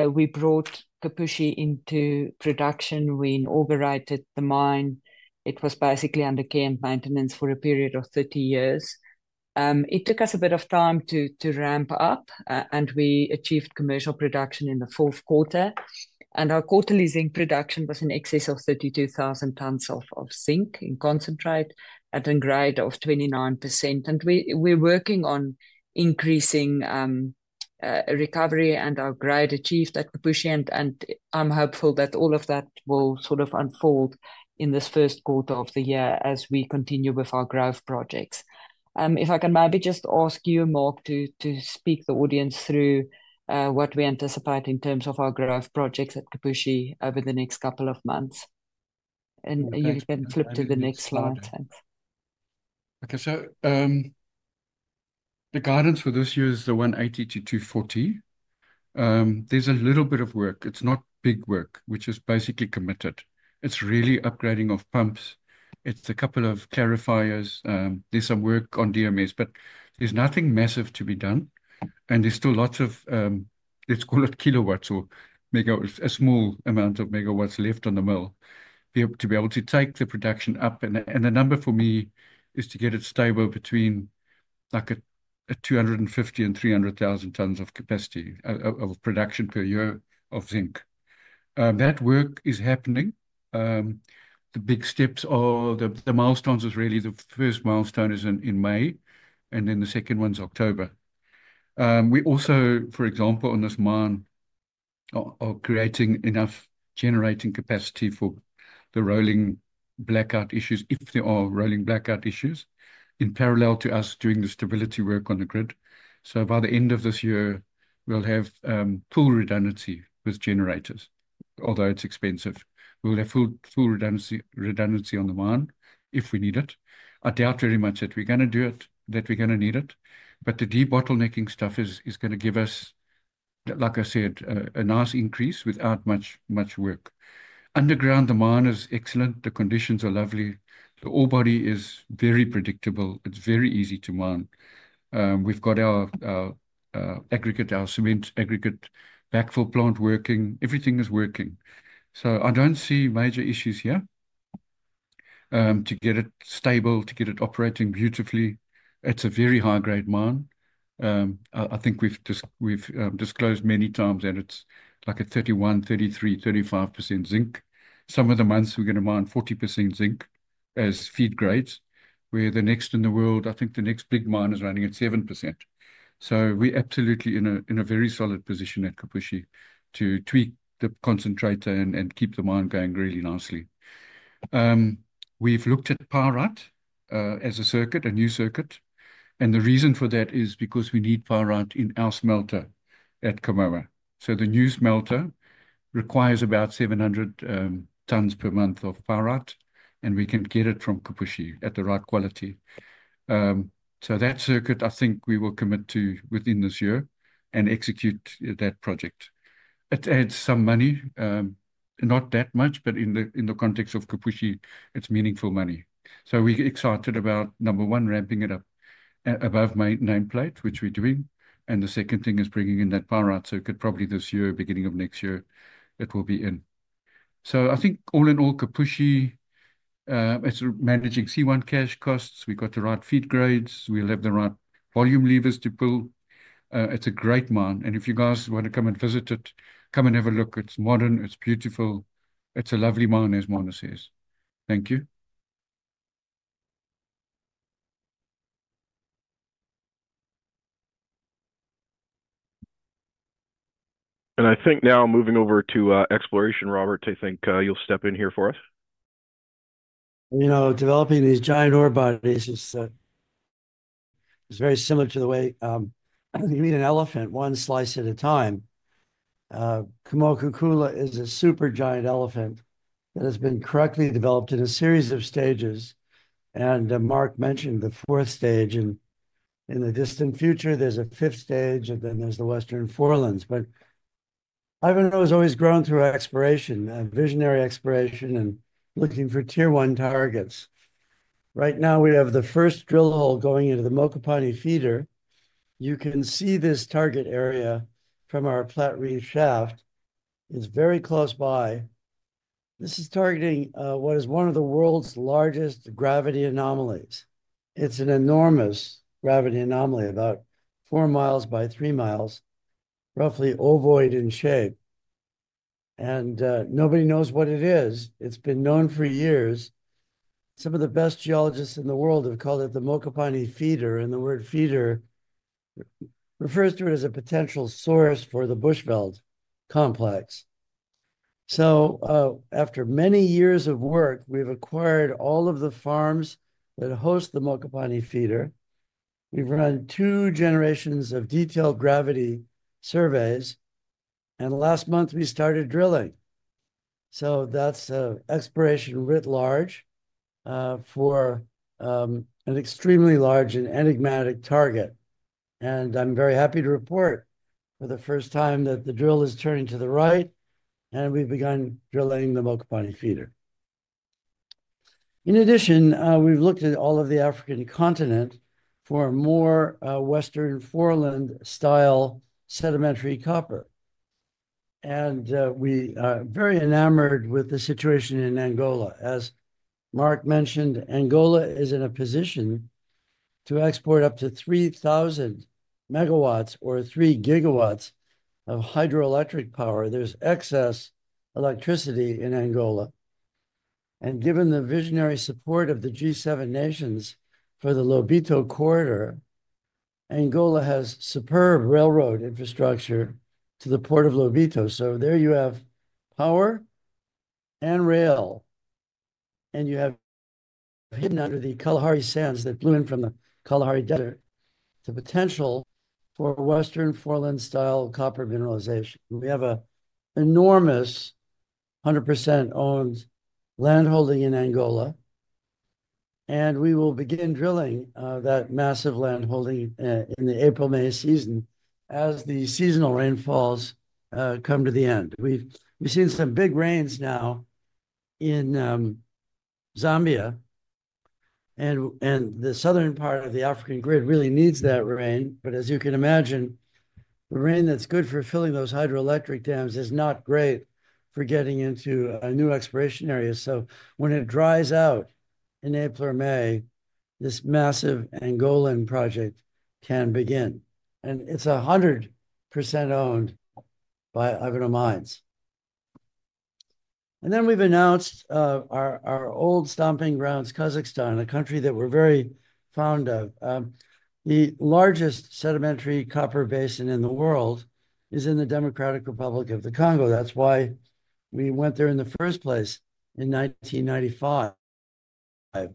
we brought Kipushi into production. We inaugurated the mine. It was basically under care and maintenance for a period of 30 years. It took us a bit of time to ramp up, and we achieved commercial production in the fourth quarter. And our quarterly zinc production was in excess of 32,000 tons of zinc in concentrate at a grade of 29%. And we're working on increasing recovery and our grade achieved at Kipushi. And I'm hopeful that all of that will sort of unfold in this first quarter of the year as we continue with our growth projects. If I can maybe just ask you, Mark, to speak the audience through what we anticipate in terms of our growth projects at Kipushi over the next couple of months. And you can flip to the next slide, thanks. Okay. So the guidance for this year is the $180 million-$240 million. There's a little bit of work. It's not big work, which is basically committed. It's really upgrading of pumps. It's a couple of clarifiers. There's some work on DMS, but there's nothing massive to be done. And there's still lots of, let's call it kilowatts or megawatts, a small amount of megawatts left on the mill to be able to take the production up. The number for me is to get it stable between like a 250,000 and 300,000 tons of capacity of production per year of zinc. That work is happening. The big steps or the milestones is really the first milestone is in May, and then the second one's October. We also, for example, on this mine, are creating enough generating capacity for the rolling blackout issues if there are rolling blackout issues in parallel to us doing the stability work on the grid. By the end of this year, we'll have full redundancy with generators, although it's expensive. We'll have full redundancy on the mine if we need it. I doubt very much that we're going to do it, that we're going to need it. The de-bottlenecking stuff is going to give us, like I said, a nice increase without much work. Underground, the mine is excellent. The conditions are lovely. The ore body is very predictable. It's very easy to mine. We've got our aggregate, our cement aggregate backfill plant working. Everything is working. So I don't see major issues here to get it stable, to get it operating beautifully. It's a very high-grade mine. I think we've disclosed many times that it's like a 31%-35% zinc. Some of the months, we're going to mine 40% zinc as feed grades, where the next in the world, I think the next big mine is running at 7%. So we're absolutely in a very solid position at Kipushi to tweak the concentrator and keep the mine going really nicely. We've looked at pyrite as a circuit, a new circuit. And the reason for that is because we need pyrite in our smelter at Kamoa. So the new smelter requires about 700 tons per month of pyrite, and we can get it from Kipushi at the right quality. That circuit, I think we will commit to within this year and execute that project. It adds some money, not that much, but in the context of Kipushi, it's meaningful money. We're excited about, number one, ramping it up above nameplate, which we're doing. The second thing is bringing in that pyrite circuit probably this year, beginning of next year, it will be in. All in all, Kipushi, it's managing C1 cash costs. We've got the right feed grades. We'll have the right volume levers to pull. It's a great mine. If you guys want to come and visit it, come and have a look. It's modern. It's beautiful. It's a lovely mine, as Marna says. Thank you. I think now moving over to exploration, Robert. I think you'll step in here for us. Developing these giant ore bodies is very similar to the way you eat an elephant, one slice at a time. Kamoa-Kakula is a super giant elephant that has been correctly developed in a series of stages. Mark mentioned the fourth stage. In the distant future, there's a fifth stage, and then there's the Western Forelands. Ivanhoe has always grown through exploration, visionary exploration, and looking tier one targets. Right now, we have the first drill hole going into the Mokopane Feeder. You can see this target area from our Platreef shaft. It's very close by. This is targeting what is one of the world's largest gravity anomalies. It's an enormous gravity anomaly, about 4 mi by 3 mi, roughly ovoid in shape. Nobody knows what it is. It's been known for years. Some of the best geologists in the world have called it the Mokopane Feeder, and the word feeder refers to it as a potential source for the Bushveld Complex, so after many years of work, we've acquired all of the farms that host the Mokopane Feeder. We've run two generations of detailed gravity surveys, and last month, we started drilling, so that's an exploration writ large for an extremely large and enigmatic target, and I'm very happy to report for the first time that the drill is turning to the right, and we've begun drilling the Mokopane Feeder. In addition, we've looked at all of the African continent for more Western Foreland-style sedimentary copper, and we are very enamored with the situation in Angola. As Mark mentioned, Angola is in a position to export up to 3,000 MW or 3 GW of hydroelectric power. There's excess electricity in Angola, and given the visionary support of the G7 nations for the Lobito Corridor, Angola has superb railroad infrastructure to the port of Lobito, so there you have power and rail, and you have hidden under the Kalahari sands that blew in from the Kalahari Desert the potential for Western Foreland-style copper mineralization. We have an enormous 100% owned landholding in Angola, and we will begin drilling that massive landholding in the April-May season as the seasonal rainfalls come to the end. We've seen some big rains now in Zambia, and the southern part of the African grid really needs that rain, but as you can imagine, the rain that's good for filling those hydroelectric dams is not great for getting into new exploration areas, so when it dries out in April or May, this massive Angolan project can begin. It's 100% owned by Ivanhoe Mines. Then we've announced our old stomping grounds, Kazakhstan, a country that we're very fond of. The largest sedimentary copper basin in the world is in the Democratic Republic of the Congo. That's why we went there in the first place in 1995.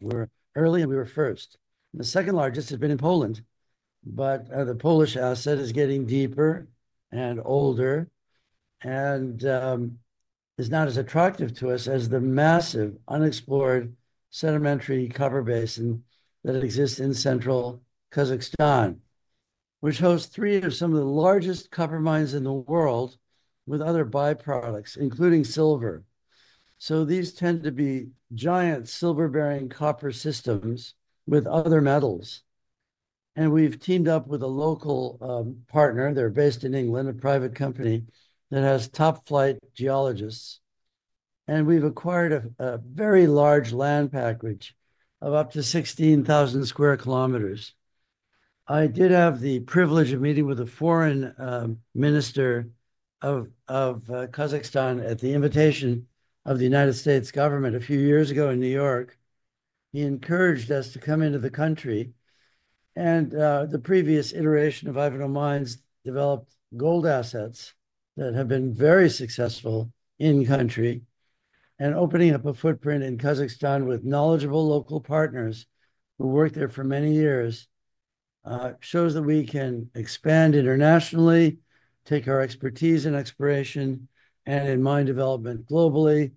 We're early and we were first. The second largest has been in Poland. The Polish asset is getting deeper and older and is not as attractive to us as the massive unexplored sedimentary copper basin that exists in central Kazakhstan, which hosts three of some of the largest copper mines in the world with other byproducts, including silver. These tend to be giant silver-bearing copper systems with other metals. We've teamed up with a local partner. They're based in England, a private company that has top-flight geologists. We've acquired a very large land package of up to 16,000 sq km. I did have the privilege of meeting with the foreign minister of Kazakhstan at the invitation of the United States government a few years ago in New York. He encouraged us to come into the country. The previous iteration of Ivanhoe Mines developed gold assets that have been very successful in-country. Opening up a footprint in Kazakhstan with knowledgeable local partners who worked there for many years shows that we can expand internationally, take our expertise in exploration and in mine development globally,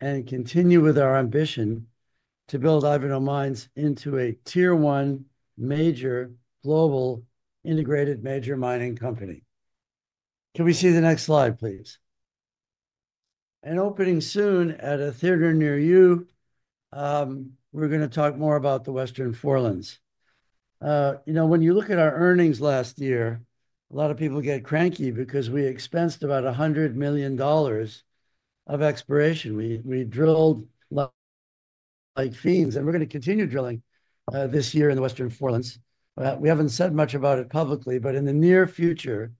and continue with our ambition to build Ivanhoe Mines into tier one major global integrated major mining company. Can we see the next slide, please? Opening soon at a theater near you, we're going to talk more about the Western Forelands. When you look at our earnings last year, a lot of people get cranky because we expensed about $100 million of exploration. We drilled like fiends. We're going to continue drilling this year in the Western Forelands. We haven't said much about it publicly, but in the near future,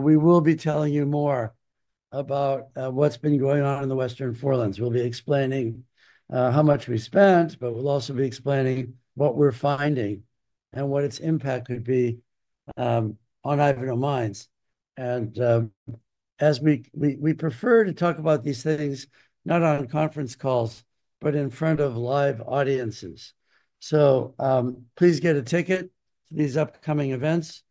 we will be telling you more about what's been going on in the Western Forelands. We'll be explaining how much we spent, but we'll also be explaining what we're finding and what its impact could be on Ivanhoe Mines. We prefer to talk about these things, not on conference calls, but in front of live audiences. Please get a ticket to these upcoming events.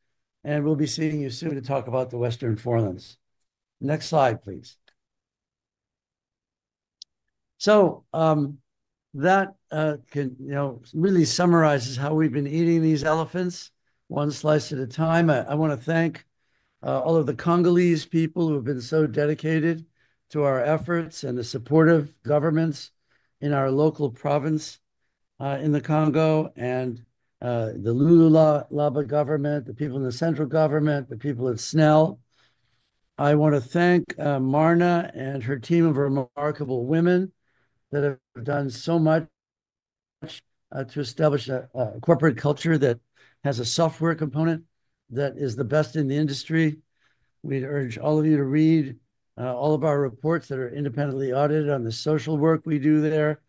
We'll be seeing you soon to talk about the Western Forelands. Next slide, please. That really summarizes how we've been eating these elephants one slice at a time. I want to thank all of the Congolese people who have been so dedicated to our efforts and the supportive governments in our local province in the Congo and the Lualaba government, the people in the central government, the people at SNEL. I want to thank Marna and her team of remarkable women that have done so much to establish a corporate culture that has a software component that is the best in the industry. We'd urge all of you to read all of our reports that are independently audited on the social work we do there,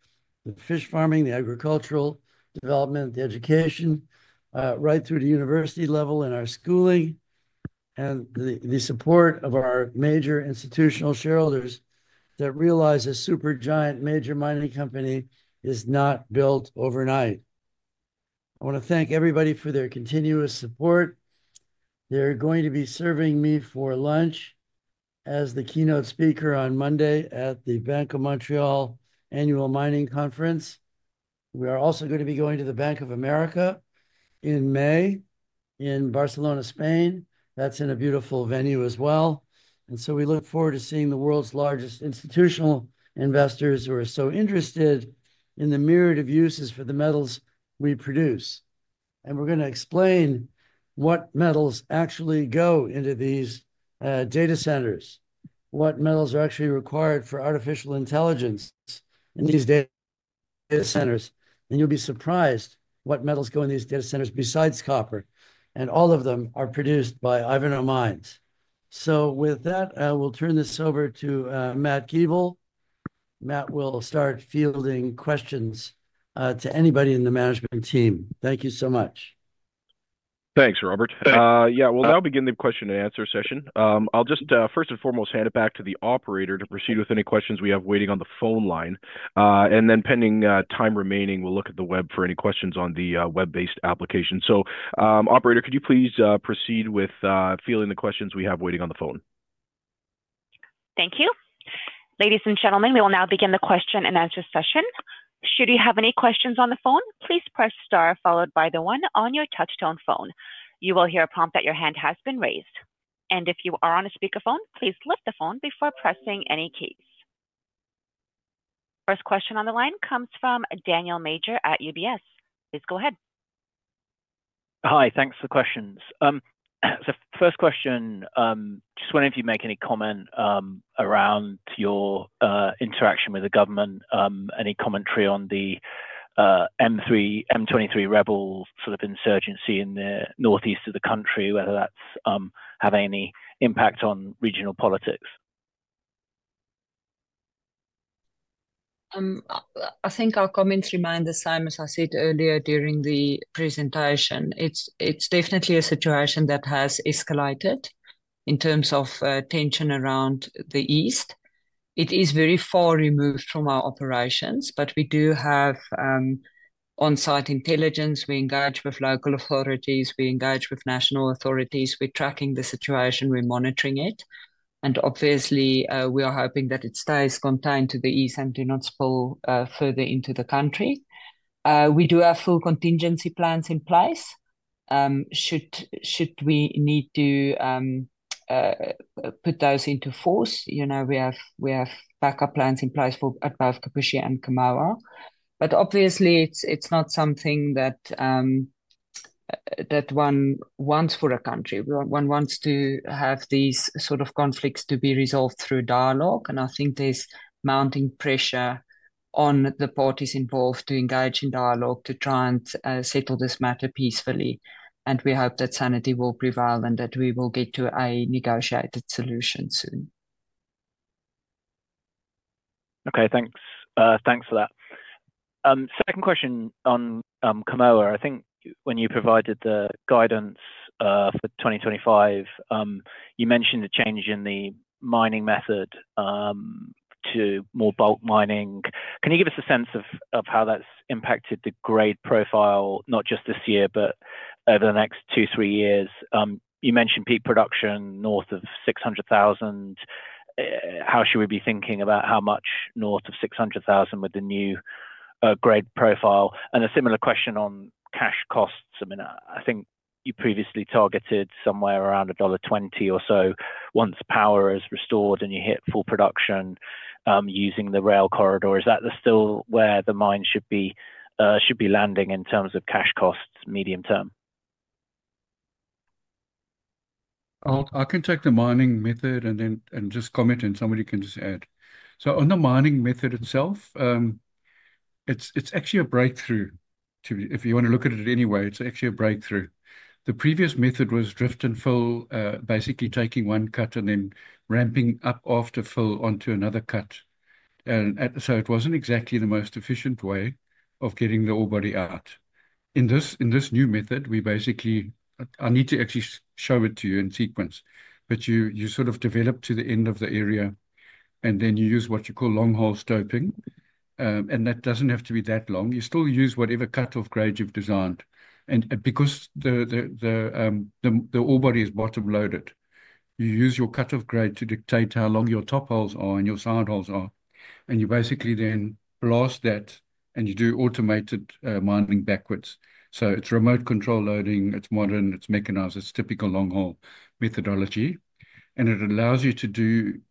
the fish farming, the agricultural development, the education right through the university level and our schooling, and the support of our major institutional shareholders that realize a super giant major mining company is not built overnight. I want to thank everybody for their continuous support. They're going to be serving me for lunch as the keynote speaker on Monday at the Bank of Montreal Annual Mining Conference. We are also going to be going to the Bank of America in May in Barcelona, Spain. That's in a beautiful venue as well. And so we look forward to seeing the world's largest institutional investors who are so interested in the myriad of uses for the metals we produce. And we're going to explain what metals actually go into these data centers, what metals are actually required for artificial intelligence in these data centers. And you'll be surprised what metals go in these data centers besides copper. And all of them are produced by Ivanhoe Mines. So with that, I will turn this over to Matt Keevil. Matt will start fielding questions to anybody in the management team. Thank you so much. Thanks, Robert. Yeah, well, now begin the question and answer session. I'll just first and foremost hand it back to the operator to proceed with any questions we have waiting on the phone line, and then pending time remaining, we'll look at the web for any questions on the web-based application. So operator, could you please proceed with fielding the questions we have waiting on the phone? Thank you. Ladies and gentlemen, we will now begin the question and answer session. Should you have any questions on the phone, please press star followed by the one on your touch-tone phone. You will hear a prompt that your hand has been raised, and if you are on a speakerphone, please lift the phone before pressing any keys. First question on the line comes from Daniel Major at UBS. Please go ahead. Hi, thanks for the questions. So first question, just whenever you make any comment around your interaction with the government, any commentary on the M23 rebels sort of insurgency in the northeast of the country, whether that's having any impact on regional politics. I think our comments remain the same, as I said earlier during the presentation. It's definitely a situation that has escalated in terms of tension around the east. It is very far removed from our operations, but we do have on-site intelligence. We engage with local authorities. We engage with national authorities. We're tracking the situation. We're monitoring it. And obviously, we are hoping that it stays contained to the east and do not spill further into the country. We do have full contingency plans in place. Should we need to put those into force, we have backup plans in place for our Kipushi and Kamoa. But obviously, it's not something that one wants for a country. One wants to have these sort of conflicts to be resolved through dialogue. And I think there's mounting pressure on the parties involved to engage in dialogue to try and settle this matter peacefully. And we hope that sanity will prevail and that we will get to a negotiated solution soon. Okay, thanks. Thanks for that. Second question on Kamoa. I think when you provided the guidance for 2025, you mentioned a change in the mining method to more bulk mining. Can you give us a sense of how that's impacted the grade profile, not just this year, but over the next two, three years? You mentioned peak production north of $600,000. How should we be thinking about how much north of $600,000 with the new grade profile? And a similar question on cash costs. I mean, I think you previously targeted somewhere around $1.20 or so once power is restored and you hit full production using the rail corridor. Is that still where the mine should be landing in terms of cash costs medium term? I can take the mining method and just comment, and somebody can just add. On the mining method itself, it's actually a breakthrough. If you want to look at it any way, it's actually a breakthrough. The previous method was drift and fill, basically taking one cut and then ramping up after fill onto another cut. It wasn't exactly the most efficient way of getting the ore body out. In this new method, we basically I need to actually show it to you in sequence, but you sort of develop to the end of the area, and then you use what you call long-hole stoping. And that doesn't have to be that long. You still use whatever cut-off grade you've designed. And because the ore body is bottom-loaded, you use your cut-off grade to dictate how long your top holes are and your side holes are. And you basically then blast that, and you do automated mining backwards. So it's remote control loading. It's modern. It's mechanized. It's typical long-hole methodology. And it allows you to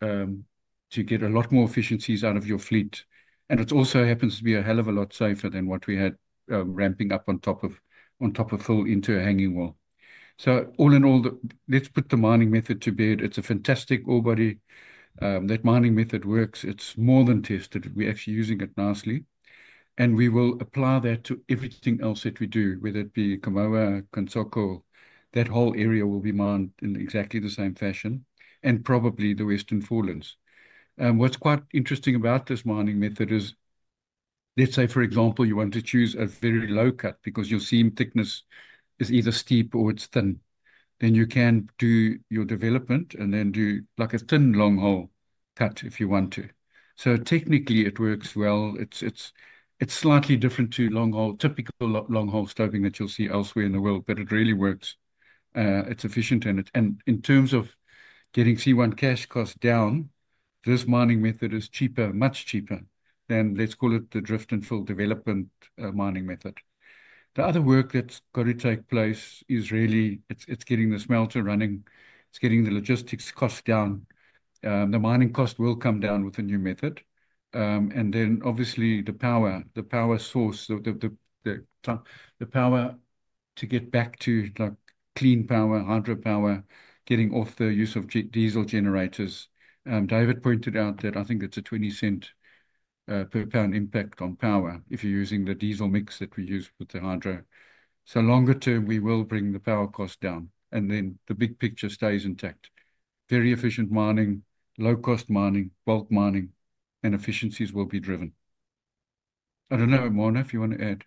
get a lot more efficiencies out of your fleet. And it also happens to be a hell of a lot safer than what we had ramping up on top of fill into a hanging wall. So all in all, let's put the mining method to bed. It's a fantastic ore body. That mining method works. It's more than tested. We're actually using it nicely. We will apply that to everything else that we do, whether it be Kamoa, Kansoko. That whole area will be mined in exactly the same fashion, and probably the Western Forelands. What's quite interesting about this mining method is, let's say, for example, you want to choose a very low cut because your seam thickness is either steep or it's thin. Then you can do your development and then do like a thin long-hole cut if you want to. Technically, it works well. It's slightly different to typical long-hole stoping that you'll see elsewhere in the world, but it really works. It's efficient. In terms of getting C1 cash cost down, this mining method is cheaper, much cheaper than let's call it the drift and fill development mining method. The other work that's got to take place is really getting the smelter running. It's getting the logistics cost down. The mining cost will come down with a new method. And then obviously the power, the power source, the power to get back to clean power, hydro power, getting off the use of diesel generators. David pointed out that I think it's a $0.20 per pound impact on power if you're using the diesel mix that we use with the hydro. So longer term, we will bring the power cost down. And then the big picture stays intact. Very efficient mining, low-cost mining, bulk mining, and efficiencies will be driven. I don't know, Marna, if you want to add.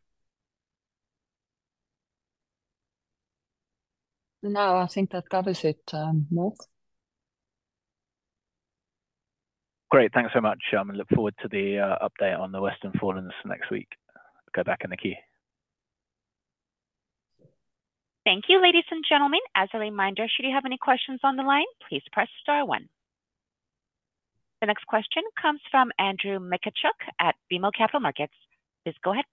No, I think that covers it, Mark. Great. Thanks so much. I look forward to the update on the Western Forelands next week. Go back in the queue. Thank you, ladies and gentlemen. As a reminder, should you have any questions on the line, please press star one. The next question comes from Andrew Mikitchook at BMO Capital Markets. Please go ahead.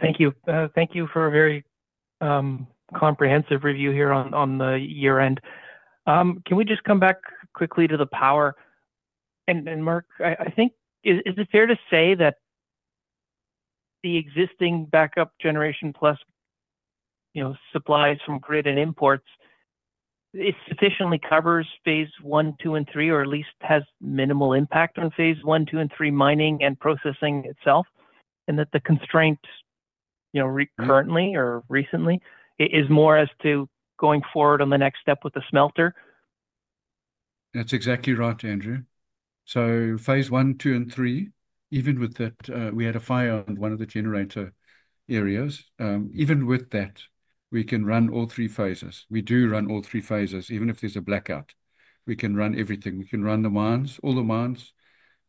Thank you. Thank you for a very comprehensive review here on the year-end. Can we just come back quickly to the power? And Mark, I think, is it fair to say that the existing backup generation plus supplies from grid and imports sufficiently covers phase I, II, and III, or at least has minimal impact on phase I, II, and III mining and processing itself, and that the constraint currently or recently is more as to going forward on the next step with the smelter? That's exactly right, Andrew. So phase I, II, and III, even with that, we had a fire on one of the generator areas. Even with that, we can run all three phases. We do run all three phases. Even if there's a blackout, we can run everything. We can run all the mines,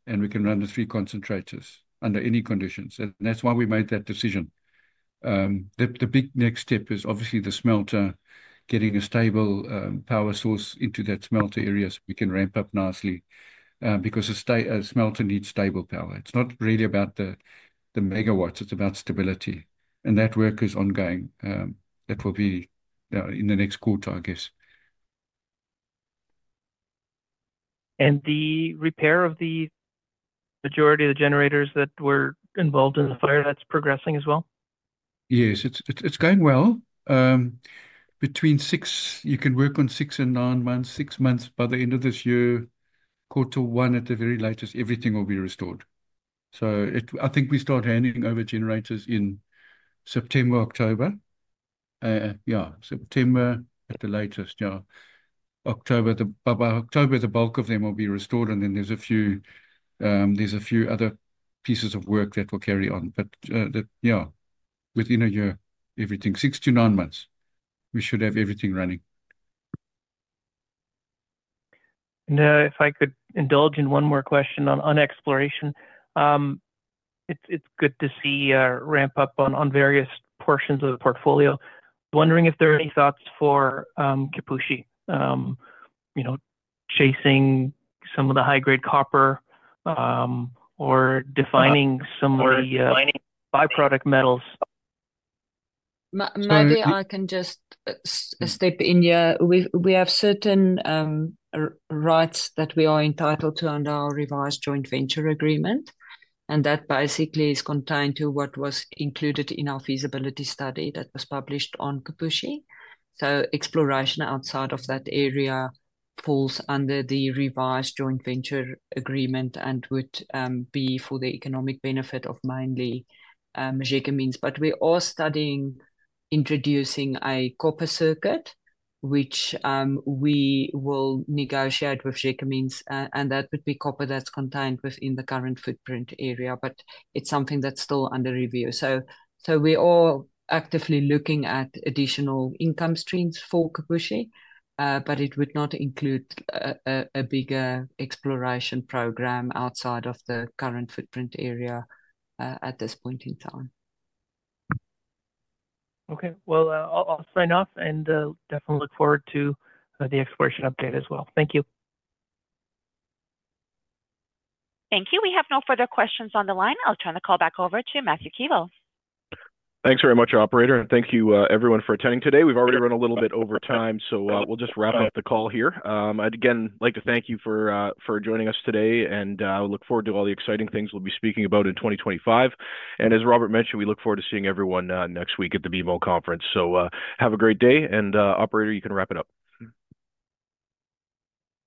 and we can run the three concentrators under any conditions. And that's why we made that decision. The big next step is obviously the smelter, getting a stable power source into that smelter area so we can ramp up nicely because a smelter needs stable power. It's not really about the megawatts. It's about stability. And that work is ongoing. That will be in the next quarter, I guess. And the repair of the majority of the generators that were involved in the fire, that's progressing as well? Yes, it's going well. You can work on six and nine months, six months by the end of this year, quarter one at the very latest, everything will be restored. So I think we start handing over generators in September, October. Yeah, September at the latest. Yeah, October, the bulk of them will be restored. And then there's a few other pieces of work that will carry on. But yeah, within a year, everything, six to nine months, we should have everything running. Now, if I could indulge in one more question on exploration, it's good to see a ramp up on various portions of the portfolio. Wondering if there are any thoughts for Kipushi, chasing some of the high-grade copper or defining some of the byproduct metals. Maybe I can just step in here. We have certain rights that we are entitled to under our revised joint venture agreement. And that basically is contained to what was included in our feasibility study that was published on Kipushi. So exploration outside of that area falls under the revised joint venture agreement and would be for the economic benefit of mainly Gécamines. But we are studying introducing a copper circuit, which we will negotiate with Gécamines, and that would be copper that's contained within the current footprint area. But it's something that's still under review. So we are actively looking at additional income streams for Kipushi, but it would not include a bigger exploration program outside of the current footprint area at this point in time. Okay, well, I'll sign off and definitely look forward to the exploration update as well. Thank you. Thank you. We have no further questions on the line. I'll turn the call back over to Matthew Keevil. Thanks very much, operator. And thank you, everyone, for attending today. We've already run a little bit over time, so we'll just wrap up the call here. I'd again like to thank you for joining us today, and I look forward to all the exciting things we'll be speaking about in 2025. And as Robert mentioned, we look forward to seeing everyone next week at the BMO conference. So have a great day. And operator, you can wrap it up.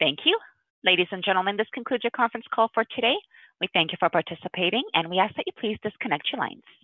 Thank you. Ladies and gentlemen, this concludes your conference call for today. We thank you for participating, and we ask that you please disconnect your lines.